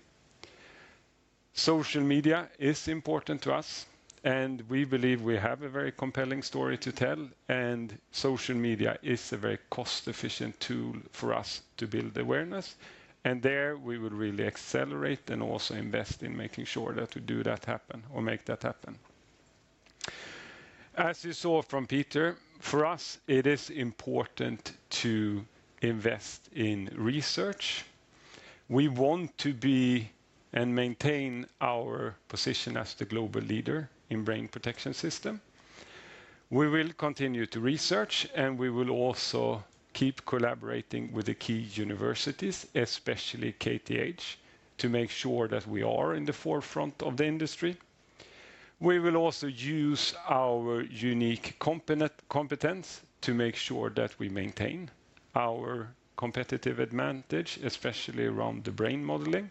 social media is important to us, and we believe we have a very compelling story to tell, and social media is a very cost-efficient tool for us to build awareness. There we will really accelerate and also invest in making sure that we do that happen or make that happen. As you saw from Peter, for us, it is important to invest in research. We want to be and maintain our position as the global leader in Brain Protection System. We will continue to research, and we will also keep collaborating with the key universities, especially KTH, to make sure that we are in the forefront of the industry. We will also use our unique competence to make sure that we maintain our competitive advantage, especially around the brain modeling.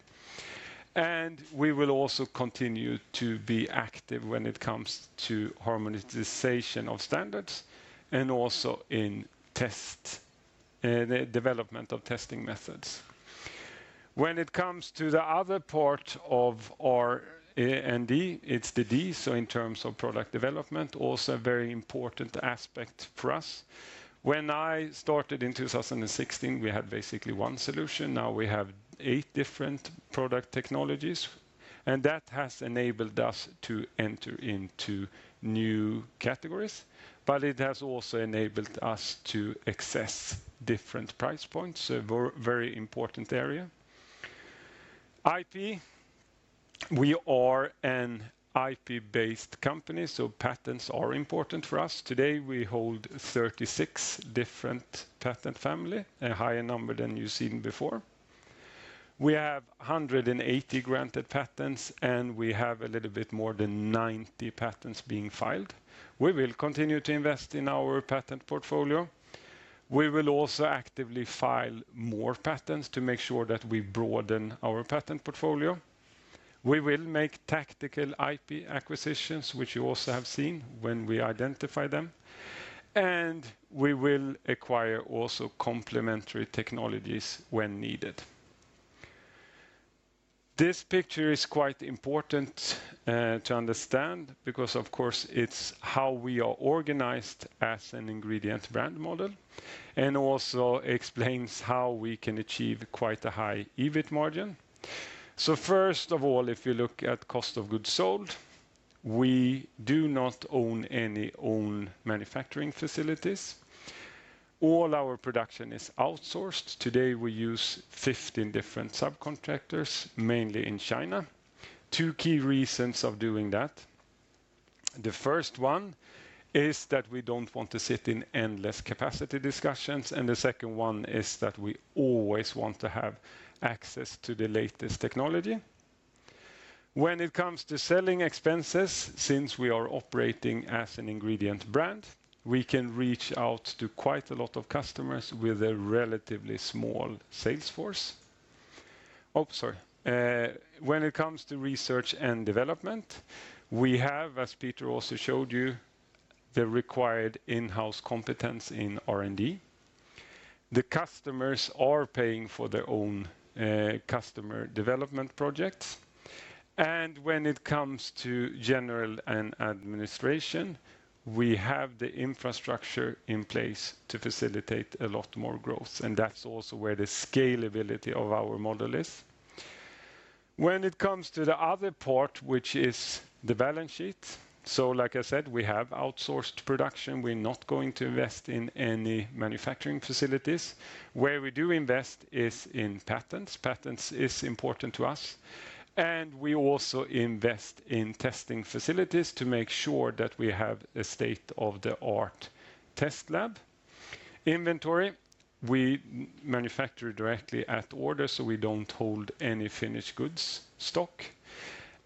We will also continue to be active when it comes to harmonization of standards and also in development of testing methods. When it comes to the other part of our R&D, it's the D, so in terms of product development, also a very important aspect for us. When I started in 2016, we had basically one solution. Now we have eight different product technologies, and that has enabled us to enter into new categories, but it has also enabled us to access different price points, a very important area. IP, we are an IP-based company. Patents are important for us. Today, we hold 36 different patent family, a higher number than you've seen before. We have 180 granted patents, and we have a little bit more than 90 patents being filed. We will continue to invest in our patent portfolio. We will also actively file more patents to make sure that we broaden our patent portfolio. We will make tactical IP acquisitions, which you also have seen when we identify them, and we will acquire also complementary technologies when needed. This picture is quite important to understand because, of course, it's how we are organized as an ingredient brand model and also explains how we can achieve quite a high EBIT margin. First of all, if you look at cost of goods sold, we do not own any own manufacturing facilities. All our production is outsourced. Today, we use 15 different subcontractors, mainly in China. Two key reasons of doing that. The first one is that we don't want to sit in endless capacity discussions, and the second one is that we always want to have access to the latest technology. When it comes to selling expenses, since we are operating as an ingredient brand, we can reach out to quite a lot of customers with a relatively small sales force. Oh, sorry. When it comes to research and development, we have, as Peter also showed you, the required in-house competence in R&D. The customers are paying for their own customer development projects. When it comes to general and administration, we have the infrastructure in place to facilitate a lot more growth, and that's also where the scalability of our model is. When it comes to the other part, which is the balance sheet, like I said, we have outsourced production. We're not going to invest in any manufacturing facilities. Where we do invest is in patents. Patents is important to us, and we also invest in testing facilities to make sure that we have a state-of-the-art test lab. Inventory, we manufacture directly at order, so we don't hold any finished goods stock,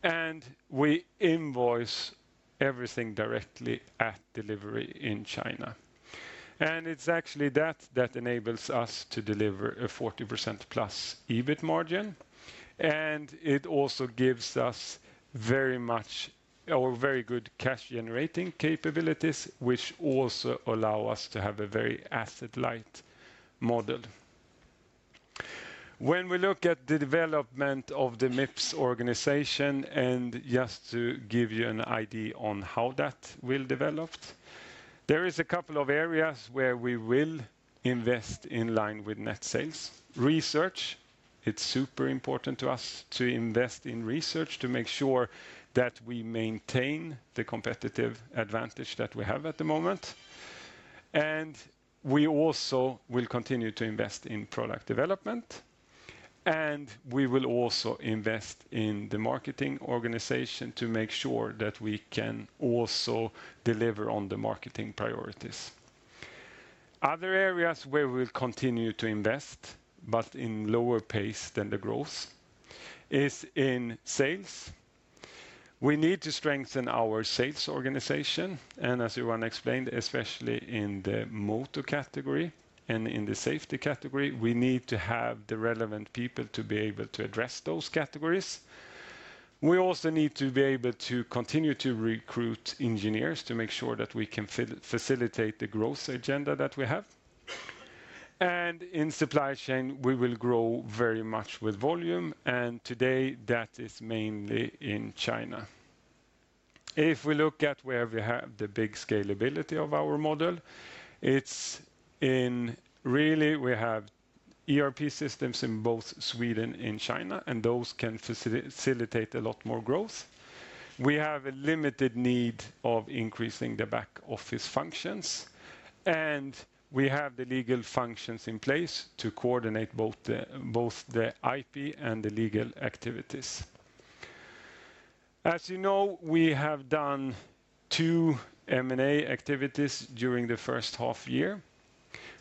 and we invoice everything directly at delivery in China. It's actually that that enables us to deliver a 40% plus EBIT margin. It also gives us very good cash generating capabilities, which also allow us to have a very asset-light model. When we look at the development of the Mips organization, and just to give you an idea on how that will develop, there is a couple of areas where we will invest in line with net sales. Research, it's super important to us to invest in research to make sure that we maintain the competitive advantage that we have at the moment. We also will continue to invest in product development, and we will also invest in the marketing organization to make sure that we can also deliver on the marketing priorities. Other areas where we'll continue to invest, but in lower pace than the growth, is in sales. We need to strengthen our sales organization, and as Johan explained, especially in the motor category and in the safety category, we need to have the relevant people to be able to address those categories. We also need to be able to continue to recruit engineers to make sure that we can facilitate the growth agenda that we have. In supply chain, we will grow very much with volume, and today that is mainly in China. If we look at where we have the big scalability of our model, it's in really we have ERP systems in both Sweden and China, and those can facilitate a lot more growth. We have a limited need of increasing the back-office functions, and we have the legal functions in place to coordinate both the IP and the legal activities. As you know, we have done two M&A activities during the first half year.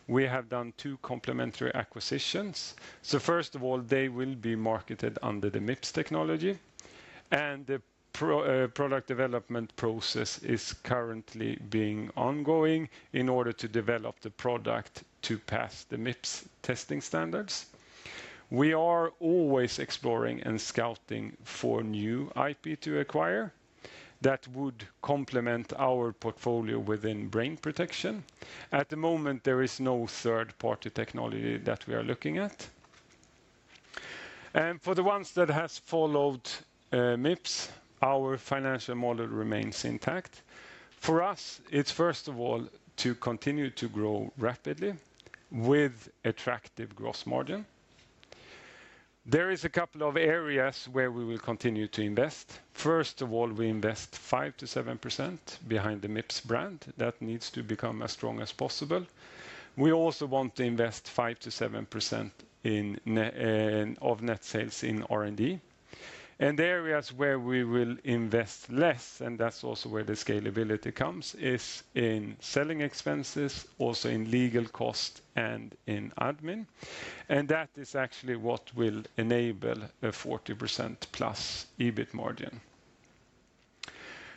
We have done two complementary acquisitions. First of all, they will be marketed under the Mips technology. The product development process is currently being ongoing in order to develop the product to pass the Mips testing standards. We are always exploring and scouting for new IP to acquire that would complement our portfolio within brain protection. At the moment, there is no third-party technology that we are looking at. For the ones that have followed Mips, our financial model remains intact. For us, it's first of all, to continue to grow rapidly with attractive gross margin. There is a couple of areas where we will continue to invest. First of all, we invest 5%-7% behind the Mips brand. That needs to become as strong as possible. We also want to invest 5%-7% of net sales in R&D. The areas where we will invest less, and that's also where the scalability comes, is in selling expenses, also in legal cost, and in admin. That is actually what will enable a 40% plus EBIT margin.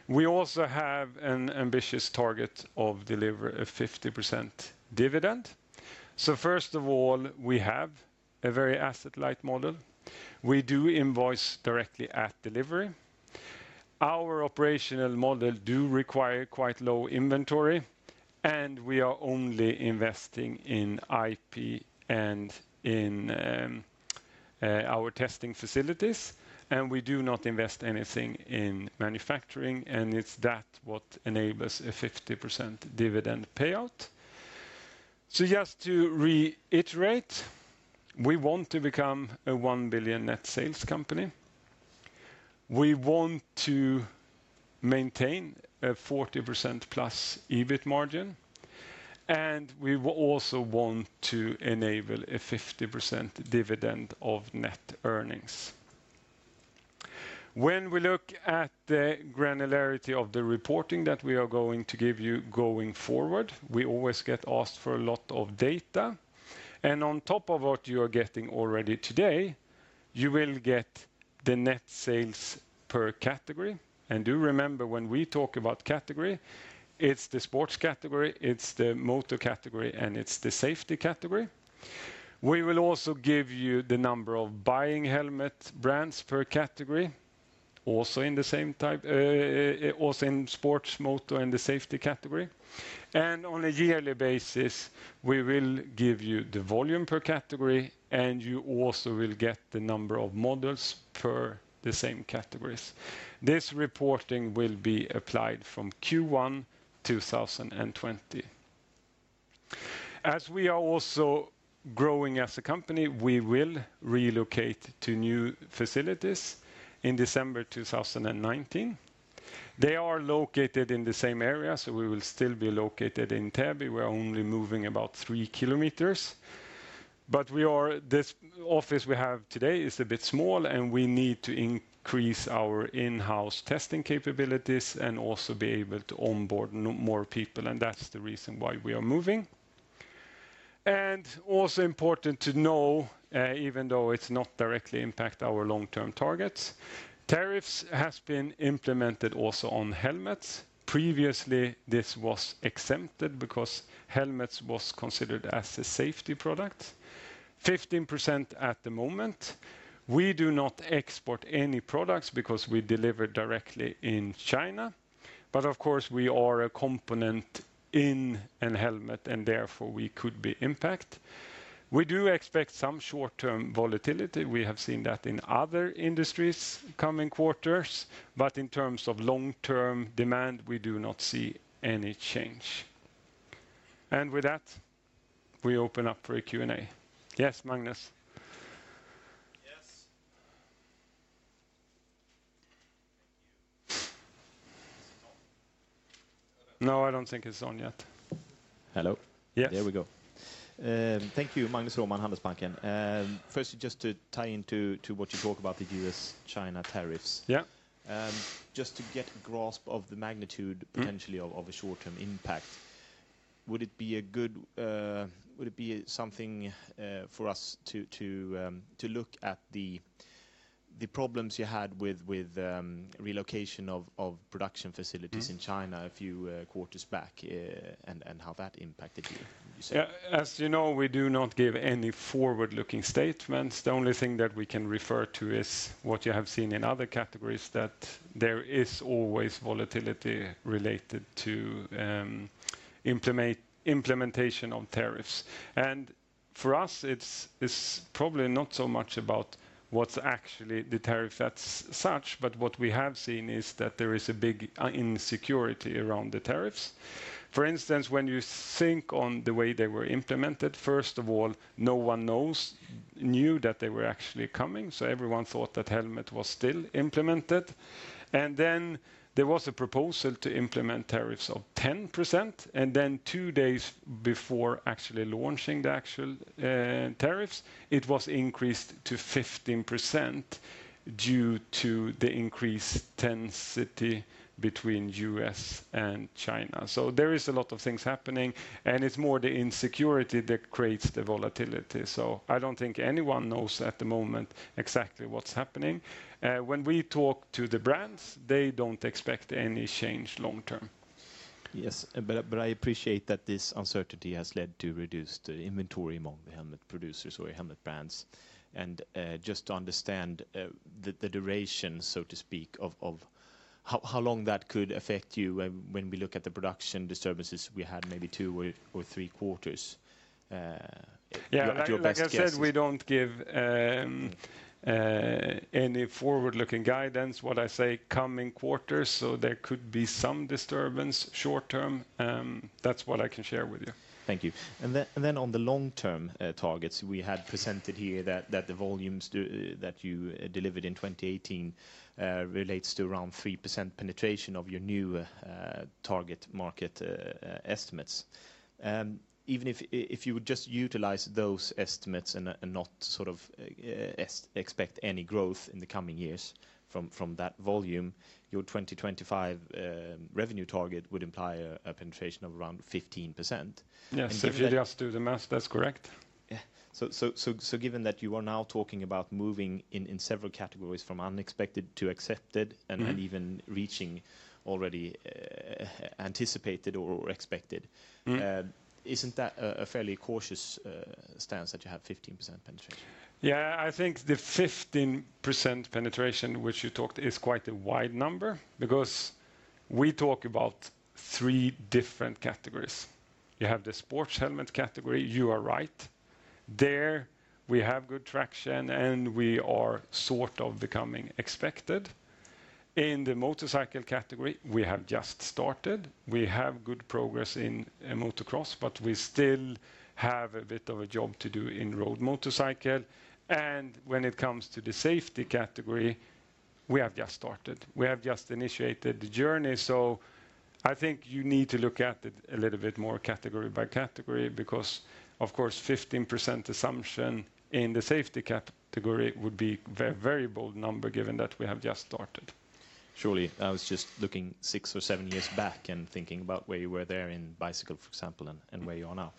We also have an ambitious target of deliver a 50% dividend. First of all, we have a very asset-light model. We do invoice directly at delivery. Our operational model do require quite low inventory, and we are only investing in IP and in our testing facilities, and we do not invest anything in manufacturing, and it's that what enables a 50% dividend payout. Just to reiterate, we want to become a 1 billion net sales company. We want to maintain a 40% plus EBIT margin, and we also want to enable a 50% dividend of net earnings. When we look at the granularity of the reporting that we are going to give you going forward, we always get asked for a lot of data. On top of what you are getting already today, you will get the net sales per category. Do remember, when we talk about category, it's the sports category, it's the motor category, and it's the safety category. We will also give you the number of buying helmet brands per category, also in sports, motor, and the safety category. On a yearly basis, we will give you the volume per category, and you also will get the number of models per the same categories. This reporting will be applied from Q1 2020. As we are also growing as a company, we will relocate to new facilities in December 2019. They are located in the same area, so we will still be located in Täby. We're only moving about three kilometers. This office we have today is a bit small, and we need to increase our in-house testing capabilities and also be able to onboard more people, and that's the reason why we are moving. Also important to know, even though it's not directly impact our long-term targets, tariffs has been implemented also on helmets. Previously, this was exempted because helmets was considered as a safety product. 15% at the moment. We do not export any products because we deliver directly in China. Of course, we are a component in a helmet, and therefore we could be impact. We do expect some short-term volatility. We have seen that in other industries coming quarters. In terms of long-term demand, we do not see any change. With that, we open up for a Q&A. Yes, Magnus? Yes. Thank you. Is this on? No, I don't think it's on yet. Hello? Yes. There we go. Thank you. Magnus Råman, Handelsbanken. First, just to tie into what you talk about the U.S., China tariffs. Yeah. Just to get a grasp of the magnitude. potentially of a short-term impact, would it be something for us to look at the problems you had with relocation of production facilities in China a few quarters back, and how that impacted you? Would you say? As you know, we do not give any forward-looking statements. The only thing that we can refer to is what you have seen in other categories, that there is always volatility related to implementation of tariffs. For us, it's probably not so much about what's actually the tariff that's such, but what we have seen is that there is a big insecurity around the tariffs. For instance, when you think on the way they were implemented, first of all, no one knew that they were actually coming. Everyone thought that helmet was still implemented. Then there was a proposal to implement tariffs of 10%, then two days before actually launching the actual tariffs, it was increased to 15% due to the increased tension between U.S. and China. There is a lot of things happening, it's more the insecurity that creates the volatility. I don't think anyone knows at the moment exactly what's happening. When we talk to the brands, they don't expect any change long term. Yes. I appreciate that this uncertainty has led to reduced inventory among the helmet producers or helmet brands. Just to understand the duration, so to speak, of how long that could affect you when we look at the production disturbances we had maybe two or three quarters. What are your best guesses? Like I said, we don't give any forward-looking guidance, what I say coming quarters, so there could be some disturbance short term. That's what I can share with you. Thank you. On the long-term targets, we had presented here that the volumes that you delivered in 2018 relates to around 3% penetration of your new target market estimates. Even if you would just utilize those estimates and not expect any growth in the coming years from that volume, your 2025 revenue target would imply a penetration of around 15%. Yes. If you just do the math, that's correct. Yeah. Given that you are now talking about moving in several categories from unexpected to accepted and even reaching already anticipated or expected. Isn't that a fairly cautious stance that you have 15% penetration? Yeah. I think the 15% penetration, which you talked, is quite a wide number because we talk about 3 different categories. You have the sports helmet category. You are right. There, we have good traction, and we are becoming expected. In the motorcycle category, we have just started. We have good progress in motocross. We still have a bit of a job to do in road motorcycle. When it comes to the safety category, we have just started. We have just initiated the journey. I think you need to look at it a little bit more category by category because, of course, 15% assumption in the safety category would be a very bold number given that we have just started. Surely. I was just looking six or seven years back and thinking about where you were there in bicycle, for example, and where you are now.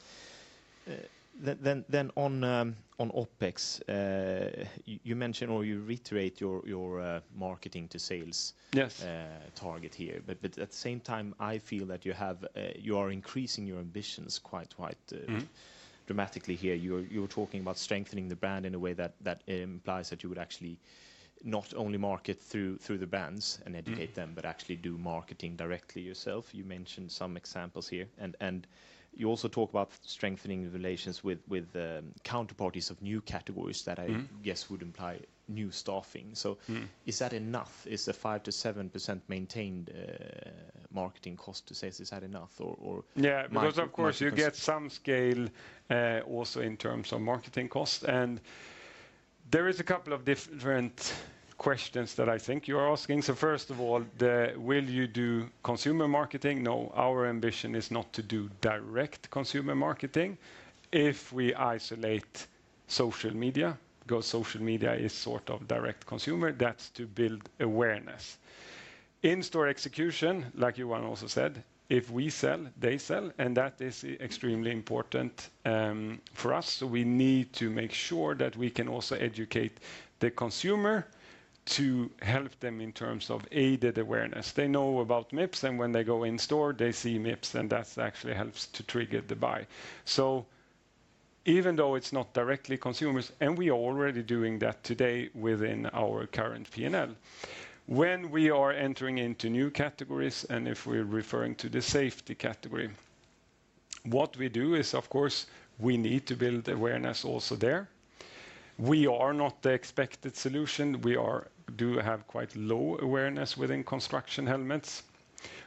On OpEx, you mentioned or you reiterate your marketing to sales. Yes target here. At the same time, I feel that you are increasing your ambitions quite dramatically here. You were talking about strengthening the brand in a way that implies that you would actually not only market through the brands and educate them, but actually do marketing directly yourself. You mentioned some examples here, and you also talk about strengthening the relations with counterparties of new categories that I guess would imply new staffing. Is that enough? Is the 5%-7% maintained marketing cost to sales, is that enough? Yeah. Because of course, you get some scale also in terms of marketing cost. There is a couple of different questions that I think you are asking. First of all, will you do consumer marketing? No. Our ambition is not to do direct consumer marketing. If we isolate social media, because social media is direct consumer, that's to build awareness. In store execution, like Johan also said, if we sell, they sell, and that is extremely important for us. We need to make sure that we can also educate the consumer to help them in terms of aided awareness. They know about Mips, and when they go in store, they see Mips, and that actually helps to trigger the buy. Even though it's not directly consumers, and we are already doing that today within our current P&L. When we are entering into new categories, if we're referring to the safety category, what we do is, of course, we need to build awareness also there. We are not the expected solution. We do have quite low awareness within construction helmets.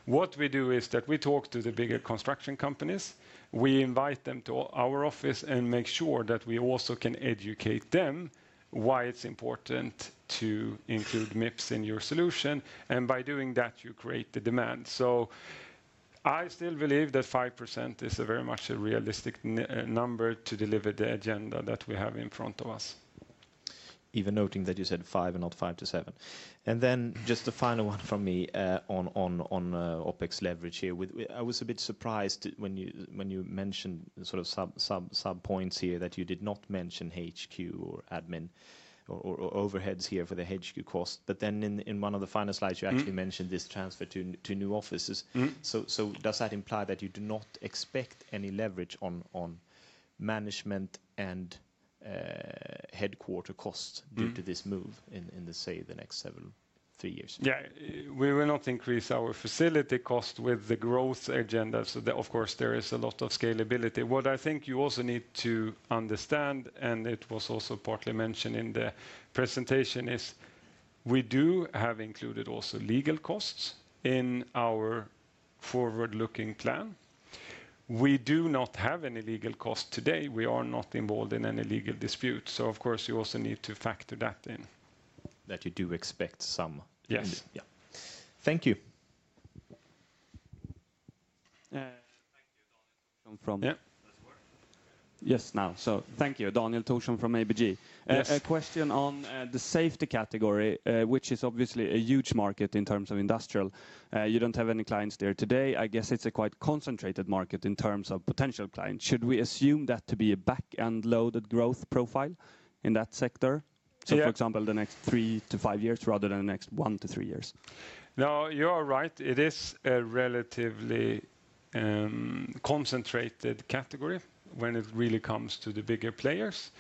What we do is that we talk to the bigger construction companies. We invite them to our office and make sure that we also can educate them why it's important to include Mips in your solution. By doing that, you create the demand. I still believe that 5% is very much a realistic number to deliver the agenda that we have in front of us. Even noting that you said 5 and not 5-7. Just the final one from me on OpEx leverage here. I was a bit surprised when you mentioned sub-points here that you did not mention HQ or admin or overheads here for the HQ cost. In one of the final slides, you actually mentioned this transfer to new offices. Does that imply that you do not expect any leverage on management and headquarter costs due to this move in, say, the next three years? Yeah. We will not increase our facility cost with the growth agenda. Of course, there is a lot of scalability. What I think you also need to understand, and it was also partly mentioned in the presentation, is we do have included also legal costs in our forward-looking plan. We do not have any legal cost today. We are not involved in any legal dispute. Of course, you also need to factor that in. That you do expect some. Yes. Yeah. Thank you. Thank you. Daniel Thorsson from- Yeah. Does this work? Yes, now. Thank you, Daniel Thorsson from ABG. Yes. A question on the safety category, which is obviously a huge market in terms of industrial. You don't have any clients there today. I guess it's a quite concentrated market in terms of potential clients. Should we assume that to be a back-end loaded growth profile in that sector? Yeah. For example, the next 3-5 years rather than the next 1-3 years? No, you are right. It is a relatively concentrated category when it really comes to the bigger players.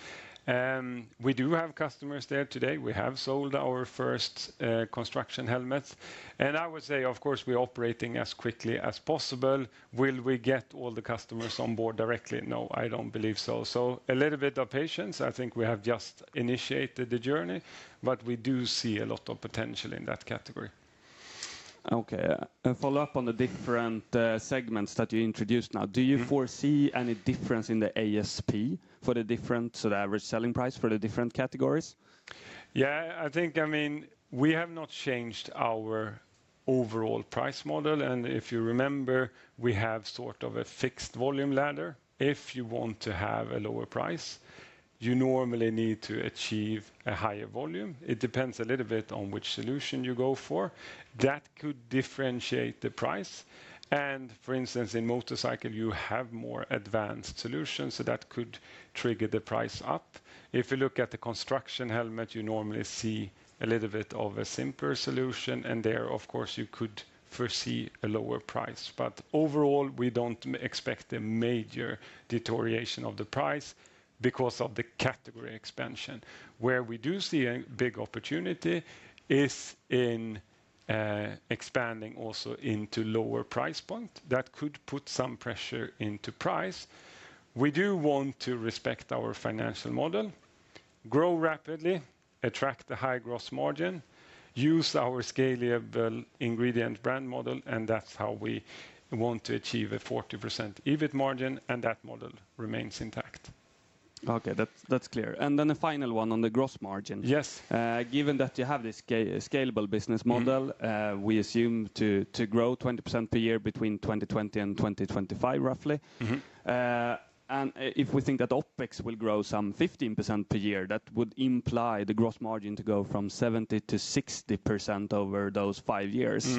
We do have customers there today. We have sold our first construction helmets. I would say, of course, we are operating as quickly as possible. Will we get all the customers on board directly? No, I don't believe so. A little bit of patience. I think we have just initiated the journey, but we do see a lot of potential in that category. Okay. Follow up on the different segments that you introduced now. Do you foresee any difference in the ASP for the different, so the average selling price for the different categories? Yeah, we have not changed our overall price model, and if you remember, we have sort of a fixed volume ladder. If you want to have a lower price, you normally need to achieve a higher volume. It depends a little bit on which solution you go for. That could differentiate the price. For instance, in motorcycle, you have more advanced solutions, so that could trigger the price up. If you look at the construction helmet, you normally see a little bit of a simpler solution, and there, of course, you could foresee a lower price. Overall, we don't expect a major deterioration of the price because of the category expansion. Where we do see a big opportunity is in expanding also into lower price point. That could put some pressure into price. We do want to respect our financial model, grow rapidly, attract the high gross margin, use our scalable ingredient brand model, and that's how we want to achieve a 40% EBIT margin, and that model remains intact. Okay. That's clear. A final one on the gross margin. Yes. Given that you have this scalable business model. We assume to grow 20% per year between 2020 and 2025 roughly. If we think that OpEx will grow some 15% per year, that would imply the gross margin to go from 70%-60% over those five years.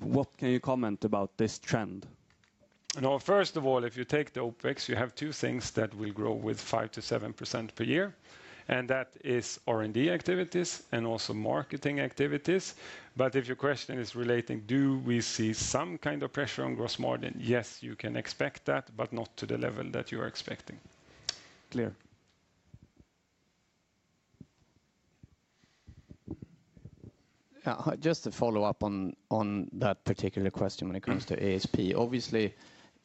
What can you comment about this trend? No, first of all, if you take the OpEx, you have two things that will grow with 5%-7% per year, and that is R&D activities and also marketing activities. If your question is relating, do we see some kind of pressure on gross margin? Yes, you can expect that, but not to the level that you're expecting. Clear. Just to follow up on that particular question when it comes to ASP. Obviously,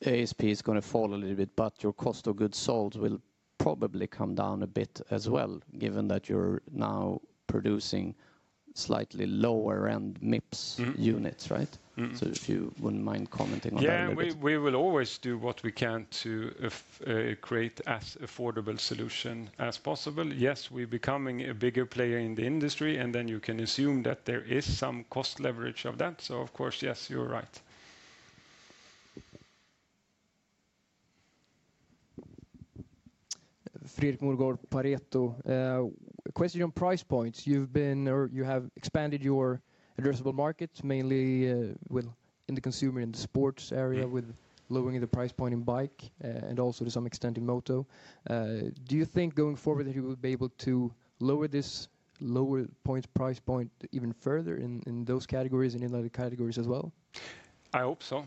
ASP is going to fall a little bit, but your cost of goods sold will probably come down a bit as well, given that you're now producing slightly lower end Mips units, right? If you wouldn't mind commenting on that a bit. Yeah. We will always do what we can to create as affordable solution as possible. Yes, we're becoming a bigger player in the industry. You can assume that there is some cost leverage of that. Of course, yes, you're right. Fredrik Molgaard, Pareto. Question on price points. You have expanded your addressable market mainly in the consumer and sports area with lowering the price point in bike, and also to some extent in moto. Do you think going forward that you will be able to lower this lower price point even further in those categories and in other categories as well? I hope so.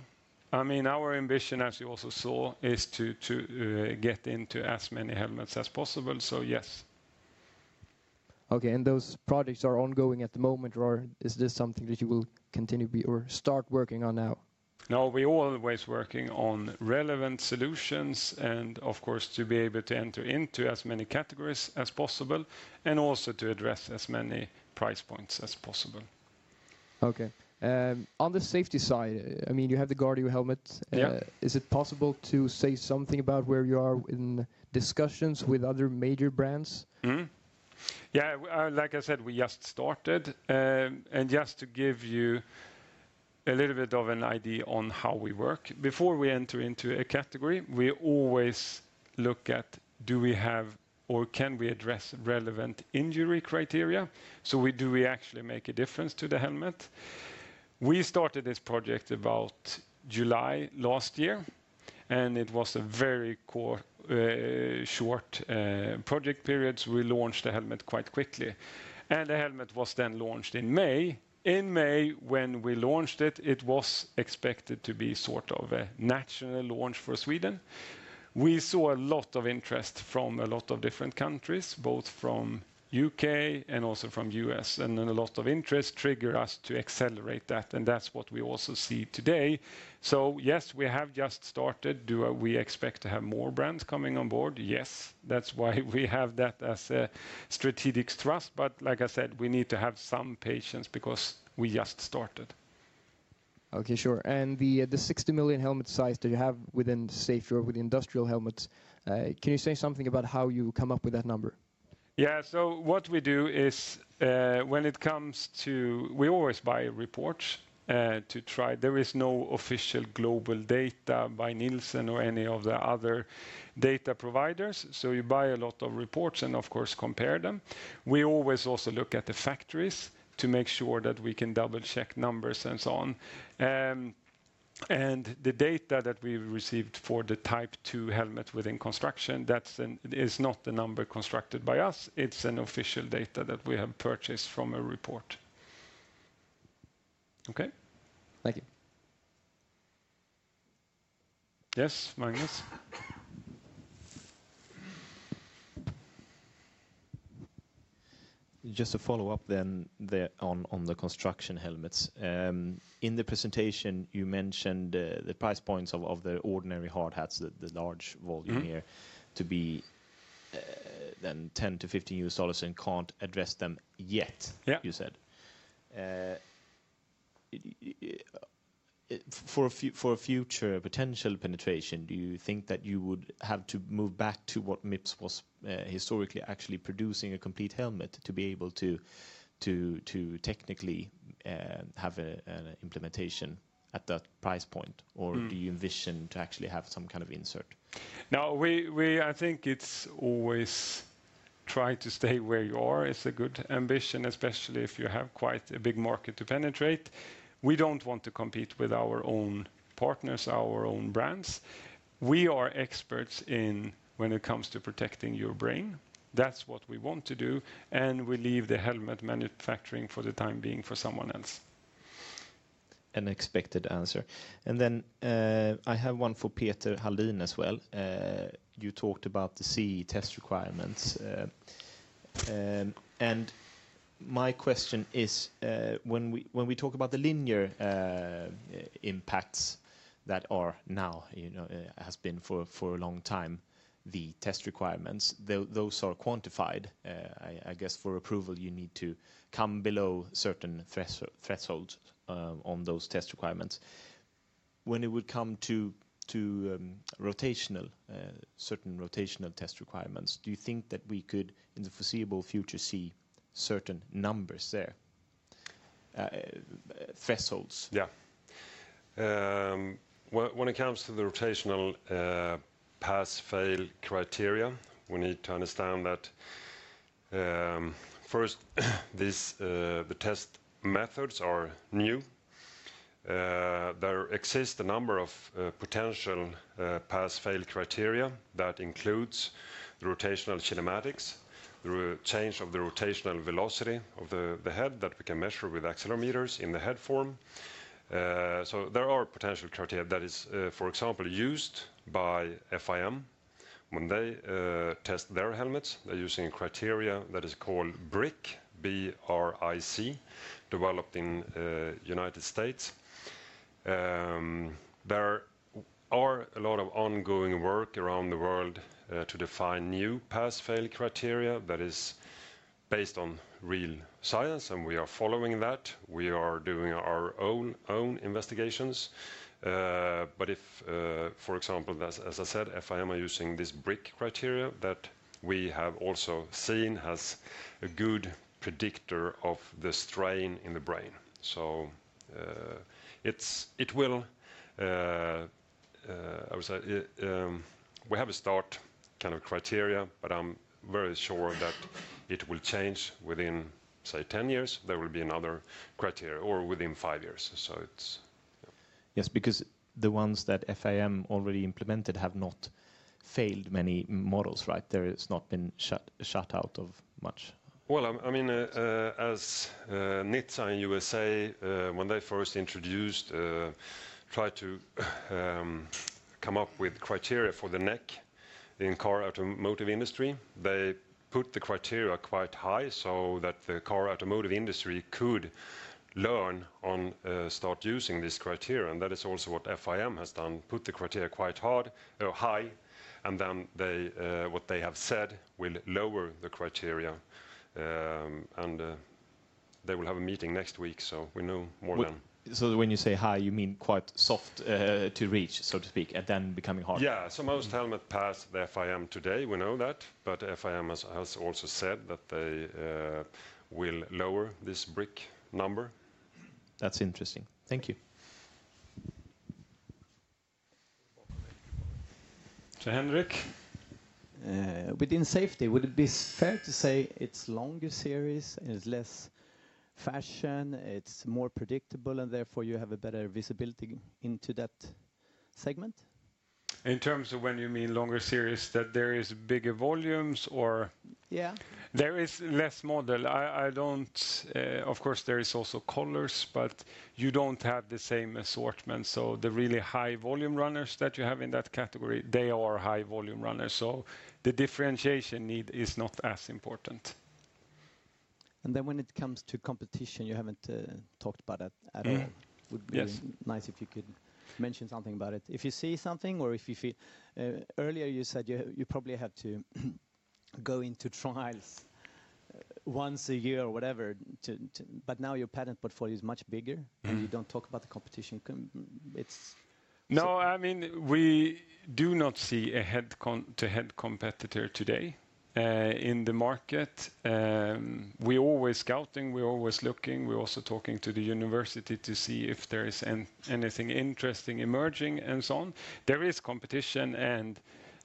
Our ambition, as you also saw, is to get into as many helmets as possible. Yes. Okay. Those projects are ongoing at the moment, or is this something that you will continue or start working on now? No, we're always working on relevant solutions and of course to be able to enter into as many categories as possible and also to address as many price points as possible. Okay. On the safety side, you have the Guardio helmet. Yeah. Is it possible to say something about where you are in discussions with other major brands? Mm-hmm. Yeah, like I said, we just started. Just to give you a little bit of an idea on how we work. Before we enter into a category, we always look at, do we have or can we address relevant injury criteria? Do we actually make a difference to the helmet? We started this project about July last year, and it was a very short project period, so we launched the helmet quite quickly. The helmet was then launched in May. In May, when we launched it was expected to be sort of a national launch for Sweden. We saw a lot of interest from a lot of different countries, both from U.K. and also from U.S. A lot of interest triggered us to accelerate that, and that's what we also see today. Yes, we have just started. Do we expect to have more brands coming on board? Yes. That's why we have that as a strategic thrust. Like I said, we need to have some patience because we just started. Okay, sure. The 60 million helmet size that you have within Safe or with industrial helmets, can you say something about how you come up with that number? Yeah. We always buy reports to try. There is no official global data by Nielsen or any of the other data providers. You buy a lot of reports and of course compare them. We always also look at the factories to make sure that we can double check numbers and so on. The data that we received for the Type 2 helmet within construction, it's not the number constructed by us. It's an official data that we have purchased from a report. Okay? Thank you. Yes, Magnus. Just to follow up then on the construction helmets. In the presentation, you mentioned the price points of the ordinary hard hats, the large volume here, to be then $10 to $15 and can't address them yet. Yeah You said. For a future potential penetration, do you think that you would have to move back to what Mips was historically actually producing a complete helmet to be able to technically have an implementation at that price point? Or do you envision to actually have some kind of insert? No, I think it's always try to stay where you are. It's a good ambition, especially if you have quite a big market to penetrate. We don't want to compete with our own partners, our own brands. We are experts when it comes to protecting your brain. That's what we want to do, and we leave the helmet manufacturing for the time being for someone else. An expected answer. I have one for Peter Halldin as well. You talked about the CE test requirements. My question is, when we talk about the linear impacts that are now, has been for a long time, the test requirements, those are quantified. I guess for approval, you need to come below certain thresholds, on those test requirements. When it would come to certain rotational test requirements, do you think that we could, in the foreseeable future, see certain numbers there? Thresholds. When it comes to the rotational pass-fail criteria, we need to understand that, first, the test methods are new. There exist a number of potential pass-fail criteria that includes the rotational kinematics, the change of the rotational velocity of the head that we can measure with accelerometers in the head form. There are potential criteria that is, for example, used by FIM when they test their helmets. They're using a criteria that is called BRIC, B-R-I-C, developed in U.S. There are a lot of ongoing work around the world to define new pass-fail criteria that is based on real science, and we are following that. We are doing our own investigations. If, for example, as I said, FIM are using this BRIC criteria that we have also seen has a good predictor of the strain in the brain. We have a start kind of criteria, but I'm very sure that it will change within, say, 10 years. There will be another criteria or within five years. Yes, because the ones that FIM already implemented have not failed many models, right? There it's not been shut out of much. Well, as NHTSA in the U.S., when they first introduced, tried to come up with criteria for the neck in car automotive industry, they put the criteria quite high so that the car automotive industry could learn on start using this criteria. That is also what FIM has done, put the criteria quite high, and then what they have said will lower the criteria. They will have a meeting next week, so we know more then. When you say high, you mean quite soft to reach, so to speak, and then becoming hard? Yeah. Most helmet pass the FIM today, we know that, but FIM has also said that they will lower this BRIC number. That's interesting. Thank you. To Henrik. Within safety, would it be fair to say it's longer series, it's less fashion, it's more predictable, and therefore you have a better visibility into that segment? In terms of when you mean longer series, that there is bigger volumes or? Yeah. There is less model. Of course, there is also colors, but you don't have the same assortment. The really high volume runners that you have in that category, they are high volume runners. The differentiation need is not as important. When it comes to competition, you haven't talked about that at all. Yeah. Yes. Would be nice if you could mention something about it. If you see something or if you feel. Earlier you said you probably had to go into trials once a year or whatever. Now your patent portfolio is much bigger. You don't talk about the competition. No, we do not see a head-to-head competitor today in the market. We're always scouting, we're always looking. We're also talking to the university to see if there is anything interesting emerging and so on. There is competition, and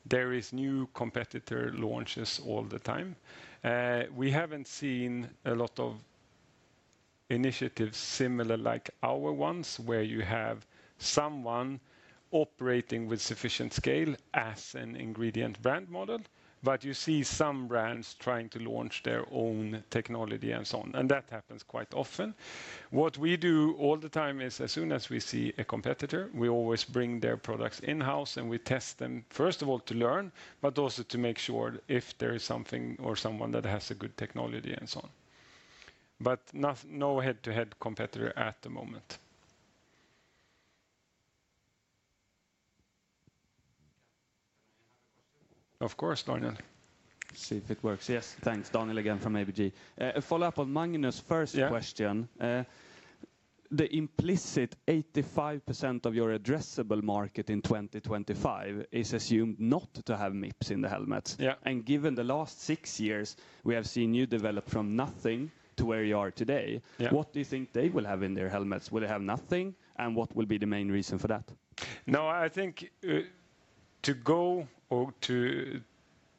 there is new competitor launches all the time. We haven't seen a lot of Initiatives similar like our ones, where you have someone operating with sufficient scale as an ingredient brand model, you see some brands trying to launch their own technology and so on. That happens quite often. What we do all the time is, as soon as we see a competitor, we always bring their products in-house and we test them, first of all to learn, but also to make sure if there is something or someone that has a good technology and so on. No head-to-head competitor at the moment. Can I have a question? Of course, Daniel. See if it works. Yes. Thanks. Daniel again from ABG. A follow-up on Magnus' first question. Yeah. The implicit 85% of your addressable market in 2025 is assumed not to have Mips in the helmets. Yeah. Given the last six years, we have seen you develop from nothing to where you are today. Yeah what do you think they will have in their helmets? Will they have nothing? What will be the main reason for that? No, I think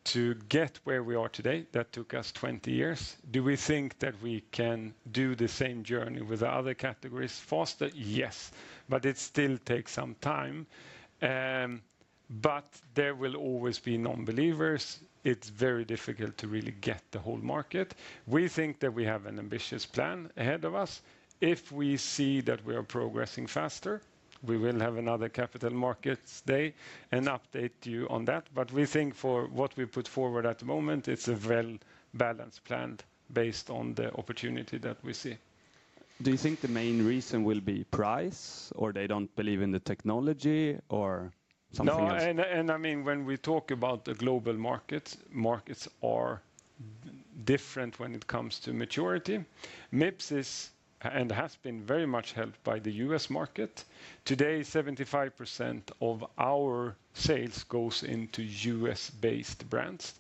to get where we are today, that took us 20 years. Do we think that we can do the same journey with the other categories faster? Yes, it still takes some time. There will always be non-believers. It's very difficult to really get the whole market. We think that we have an ambitious plan ahead of us. If we see that we are progressing faster, we will have another capital markets day and update you on that. We think for what we put forward at the moment, it's a well-balanced plan based on the opportunity that we see. Do you think the main reason will be price, or they don't believe in the technology, or something else? No, when we talk about the global markets are different when it comes to maturity. Mips is and has been very much helped by the U.S. market. Today, 75% of our sales goes into U.S.-based brands.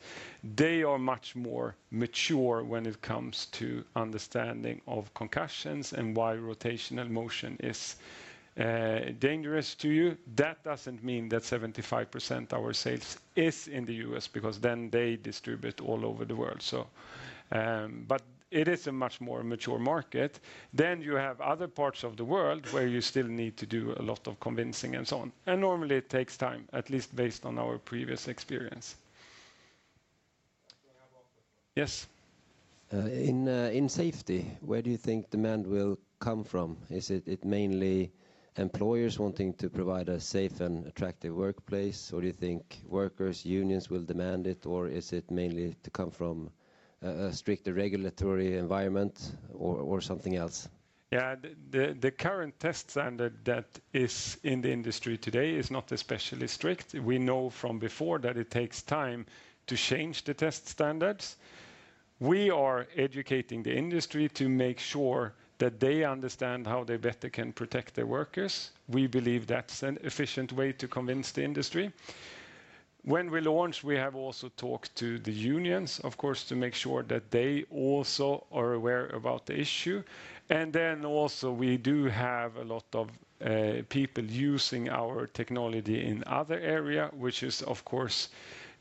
They are much more mature when it comes to understanding of concussions and why rotational motion is dangerous to you. That doesn't mean that 75% our sales is in the U.S. because then they distribute all over the world. It is a much more mature market. You have other parts of the world where you still need to do a lot of convincing and so on. Normally it takes time, at least based on our previous experience. Can I have one question? Yes. In safety, where do you think demand will come from? Is it mainly employers wanting to provide a safe and attractive workplace, or do you think workers, unions will demand it, or is it mainly to come from a stricter regulatory environment or something else? The current test standard that is in the industry today is not especially strict. We know from before that it takes time to change the test standards. We are educating the industry to make sure that they understand how they better can protect their workers. We believe that's an efficient way to convince the industry. When we launch, we have also talked to the unions, of course, to make sure that they also are aware about the issue. We do have a lot of people using our technology in other area, which is, of course,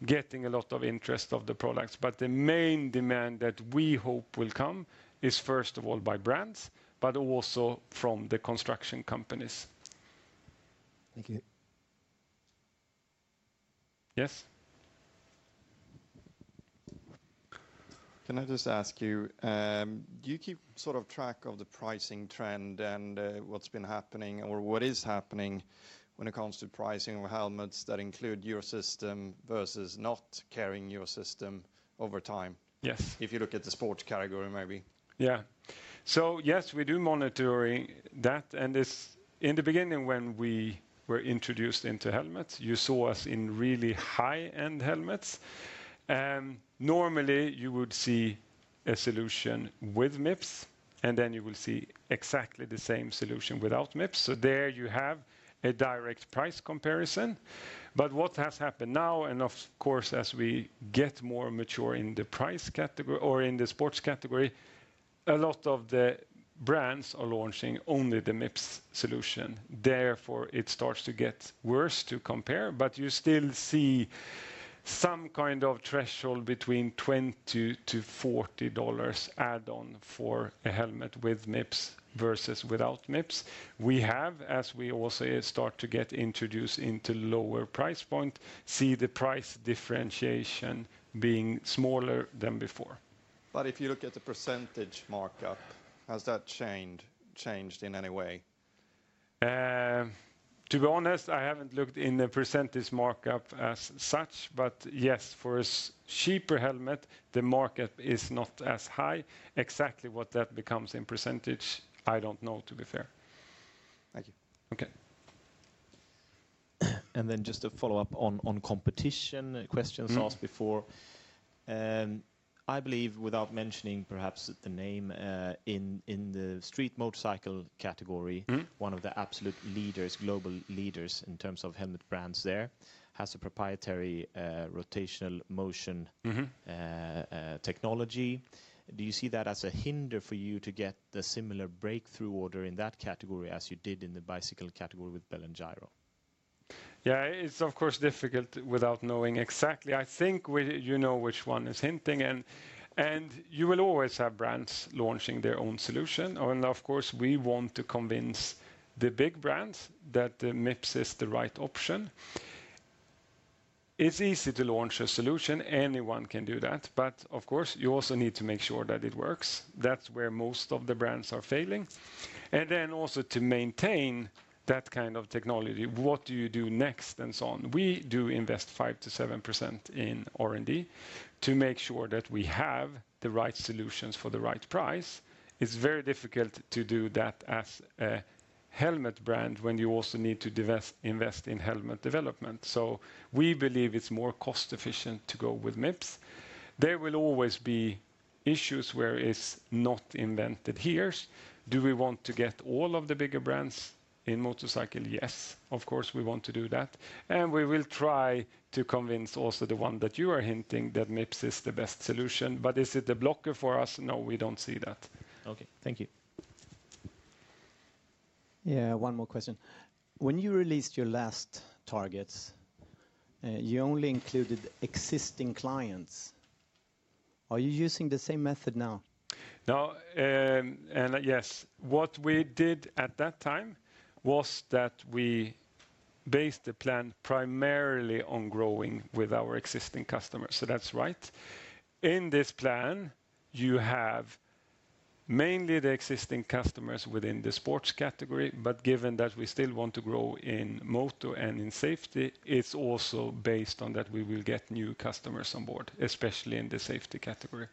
getting a lot of interest of the products. The main demand that we hope will come is, first of all by brands, but also from the construction companies. Thank you. Yes. Can I just ask you, do you keep track of the pricing trend and what's been happening or what is happening when it comes to pricing of helmets that include your system versus not carrying your system over time? Yes. If you look at the sports category, maybe. Yes, we do monitoring that. In the beginning when we were introduced into helmets, you saw us in really high-end helmets. Normally, you would see a solution with Mips, and then you will see exactly the same solution without Mips. There you have a direct price comparison. What has happened now, and of course, as we get more mature in the sports category, a lot of the brands are launching only the Mips solution. Therefore, it starts to get worse to compare, but you still see some kind of threshold between SEK 20-SEK 40 add on for a helmet with Mips versus without Mips. We have, as we also start to get introduced into lower price point, see the price differentiation being smaller than before. If you look at the percentage markup, has that changed in any way? To be honest, I haven't looked in the percentage markup as such. Yes, for a cheaper helmet, the markup is not as high. Exactly what that becomes in percentage, I don't know, to be fair. Thank you. Okay. Just to follow up on competition questions asked before. I believe, without mentioning perhaps the name, in the street motorcycle category. one of the absolute leaders, global leaders in terms of helmet brands there, has a proprietary rotational motion. technology. Do you see that as a hinder for you to get the similar breakthrough order in that category as you did in the bicycle category with Bell & Giro? Yeah. It's of course difficult without knowing exactly. I think you know which one is hinting. You will always have brands launching their own solution. Of course, we want to convince the big brands that the Mips is the right option. It's easy to launch a solution. Anyone can do that. Of course, you also need to make sure that it works. That's where most of the brands are failing. Also to maintain that kind of technology, what do you do next, and so on? We do invest 5%-7% in R&D to make sure that we have the right solutions for the right price. It's very difficult to do that as a helmet brand when you also need to invest in helmet development. We believe it's more cost efficient to go with Mips. There will always be issues where it's not invented here. Do we want to get all of the bigger brands in motorcycle? Yes, of course, we want to do that. We will try to convince also the one that you are hinting that Mips is the best solution. Is it a blocker for us? No, we don't see that. Okay. Thank you. Yeah, one more question. When you released your last targets, you only included existing clients. Are you using the same method now? No. Yes, what we did at that time was that we based the plan primarily on growing with our existing customers, so that's right. In this plan, you have mainly the existing customers within the sports category, but given that we still want to grow in moto and in safety, it's also based on that we will get new customers on board, especially in the safety category.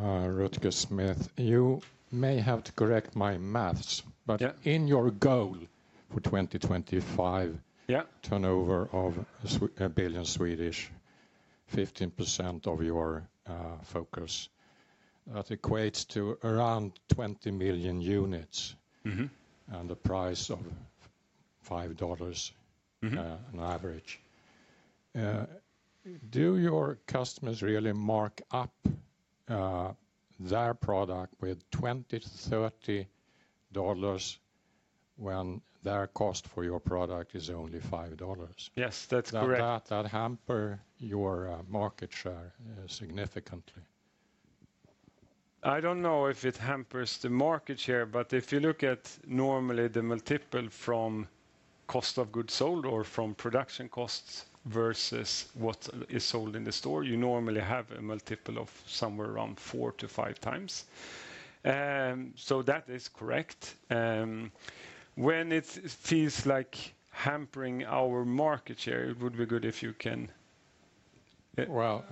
Rutger Schmidt. You may have to correct my math. Yeah In your goal for 2025. Yeah turnover of 1 billion, 15% of your focus, that equates to around 20 million units. The price of SEK 5. on average. Do your customers really mark up their product with SEK 20-SEK 30 when their cost for your product is only SEK 5? Yes, that's correct. That hamper your market share significantly. I don't know if it hampers the market share, but if you look at normally the multiple from cost of goods sold or from production costs versus what is sold in the store, you normally have a multiple of somewhere around 4x-5x. That is correct. When it feels like hampering our market share, it would be good if you can Well,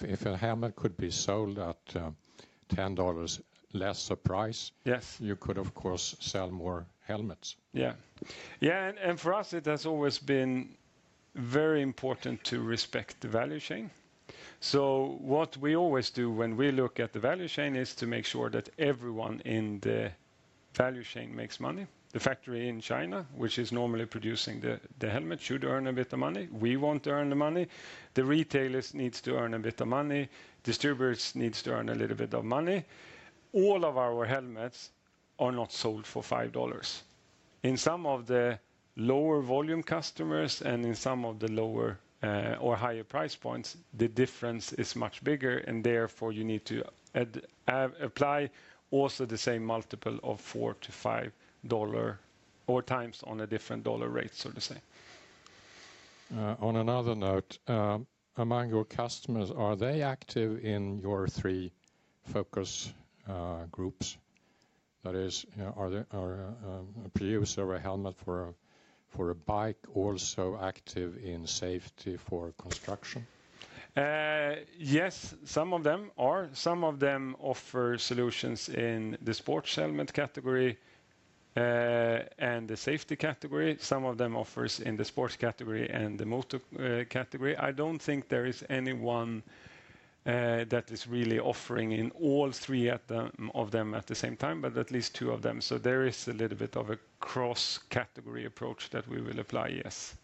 if a helmet could be sold at SEK 10 lesser price. Yes you could, of course, sell more helmets. Yeah. For us, it has always been very important to respect the value chain. What we always do when we look at the value chain is to make sure that everyone in the value chain makes money. The factory in China, which is normally producing the helmet, should earn a bit of money. We want to earn the money. The retailers need to earn a bit of money. Distributors need to earn a little bit of money. All of our helmets are not sold for SEK 5. In some of the lower volume customers and in some of the lower or higher price points, the difference is much bigger, and therefore you need to apply also the same multiple of SEK 4-SEK 5 or times on a different SEK rate, so to say. On another note, among your customers, are they active in your three focus groups? That is, are a producer of a helmet for a bike also active in safety for construction? Yes, some of them are. Some of them offer solutions in the sports helmet category and the safety category. Some of them offers in the sports category and the moto category. I don't think there is anyone that is really offering in all three of them at the same time, but at least two of them. There is a little bit of a cross-category approach that we will apply, yes.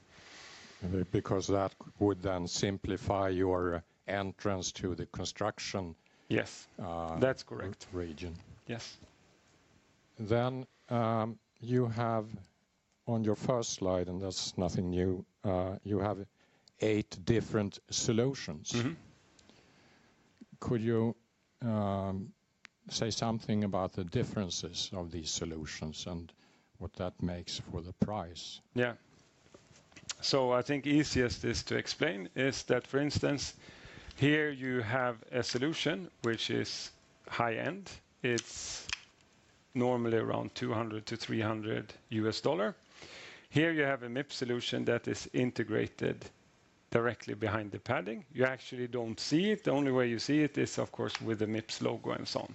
Because that would then simplify your entrance to the construction. Yes. That's correct. region. Yes. You have on your first slide, and that's nothing new, you have eight different solutions. Could you say something about the differences of these solutions and what that makes for the price? I think easiest is to explain is that, for instance, here you have a solution which is high-end. It's normally around SEK 200-SEK 300. Here you have a Mips solution that is integrated directly behind the padding. You actually don't see it. The only way you see it is, of course, with the Mips logo and so on.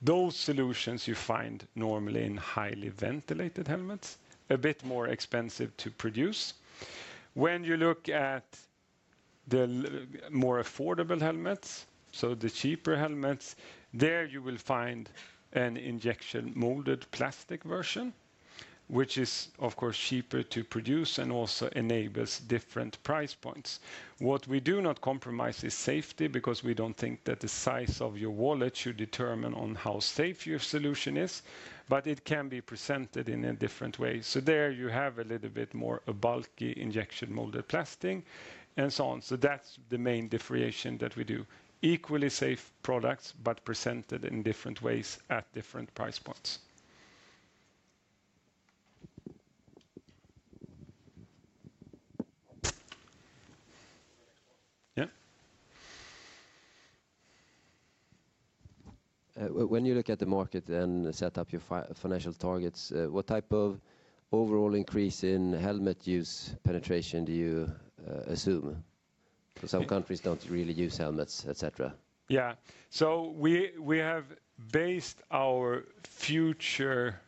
Those solutions you find normally in highly ventilated helmets, a bit more expensive to produce. The more affordable helmets, so the cheaper helmets, there you will find an injection molded plastic version, which is of course cheaper to produce and also enables different price points. What we do not compromise is safety, because we don't think that the size of your wallet should determine on how safe your solution is, but it can be presented in a different way. There you have a little bit more of bulky injection molded plastic and so on. That's the main differentiation that we do. Equally safe products, but presented in different ways at different price points. Yeah. When you look at the market and set up your financial targets, what type of overall increase in helmet use penetration do you assume, because some countries don't really use helmets, et cetera? Yeah. We have based our future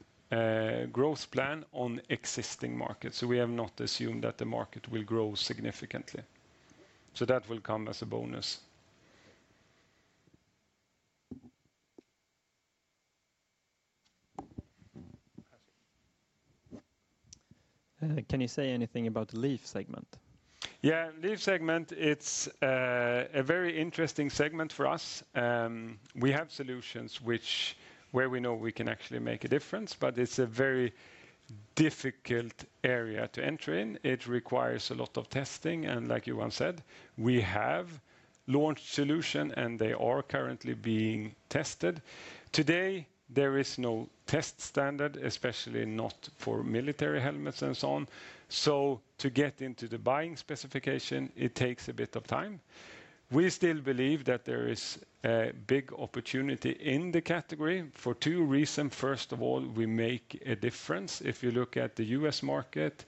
growth plan on existing markets. We have not assumed that the market will grow significantly. That will come as a bonus. Can you say anything about LEAF segment? Yeah. LEAF segment, it's a very interesting segment for us. We have solutions where we know we can actually make a difference. It's a very difficult area to enter in. It requires a lot of testing and like Johan said, we have launched solutions, and they are currently being tested. Today, there is no test standard, especially not for military helmets and so on. To get into the buying specification, it takes a bit of time. We still believe that there is a big opportunity in the category for two reasons. First of all, we make a difference. If you look at the U.S. market,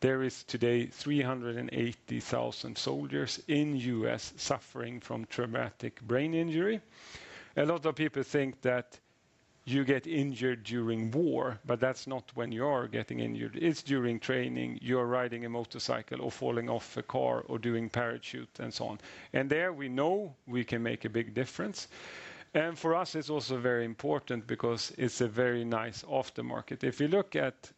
there is today 380,000 soldiers in U.S. suffering from traumatic brain injury. A lot of people think that you get injured during war, but that's not when you are getting injured. It's during training, you're riding a motorcycle or falling off a car or doing parachute and so on. There we know we can make a big difference. For us, it's also very important because it's a very nice aftermarket. If you look at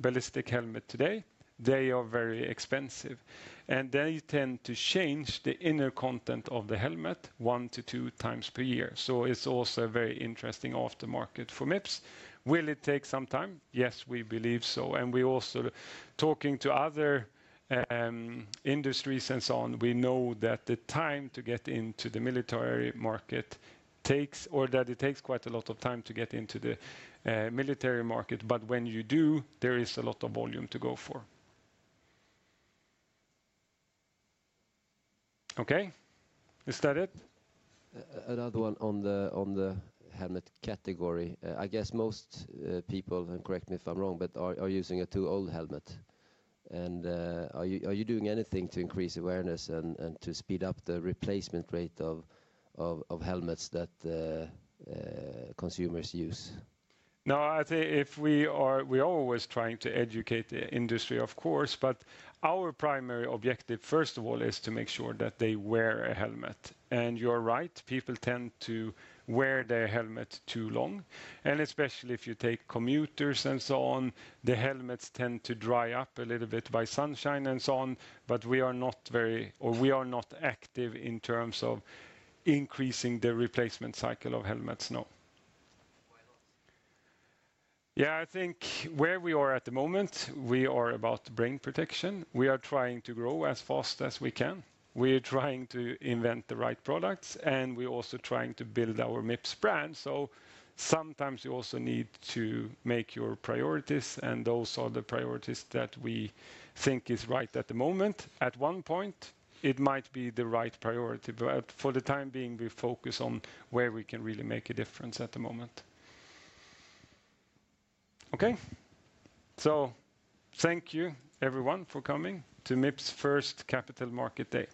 ballistic helmet today, they are very expensive, and they tend to change the inner content of the helmet one to two times per year. It's also a very interesting aftermarket for Mips. Will it take some time? Yes, we believe so, and we also talking to other industries and so on. We know that it takes quite a lot of time to get into the military market. When you do, there is a lot of volume to go for. Okay. Is that it? Another one on the helmet category. I guess most people, and correct me if I'm wrong, but are using a too old helmet. Are you doing anything to increase awareness and to speed up the replacement rate of helmets that consumers use? No, we are always trying to educate the industry, of course, but our primary objective, first of all, is to make sure that they wear a helmet. You're right, people tend to wear their helmet too long, and especially if you take commuters and so on, the helmets tend to dry up a little bit by sunshine and so on. We are not active in terms of increasing the replacement cycle of helmets, no. Why not? Yeah, I think where we are at the moment, we are about brain protection. We are trying to grow as fast as we can. We are trying to invent the right products, and we're also trying to build our Mips brand. Sometimes you also need to make your priorities, and those are the priorities that we think is right at the moment. At one point, it might be the right priority, but for the time being, we focus on where we can really make a difference at the moment. Okay. Thank you, everyone, for coming to Mips' first Capital Market Day.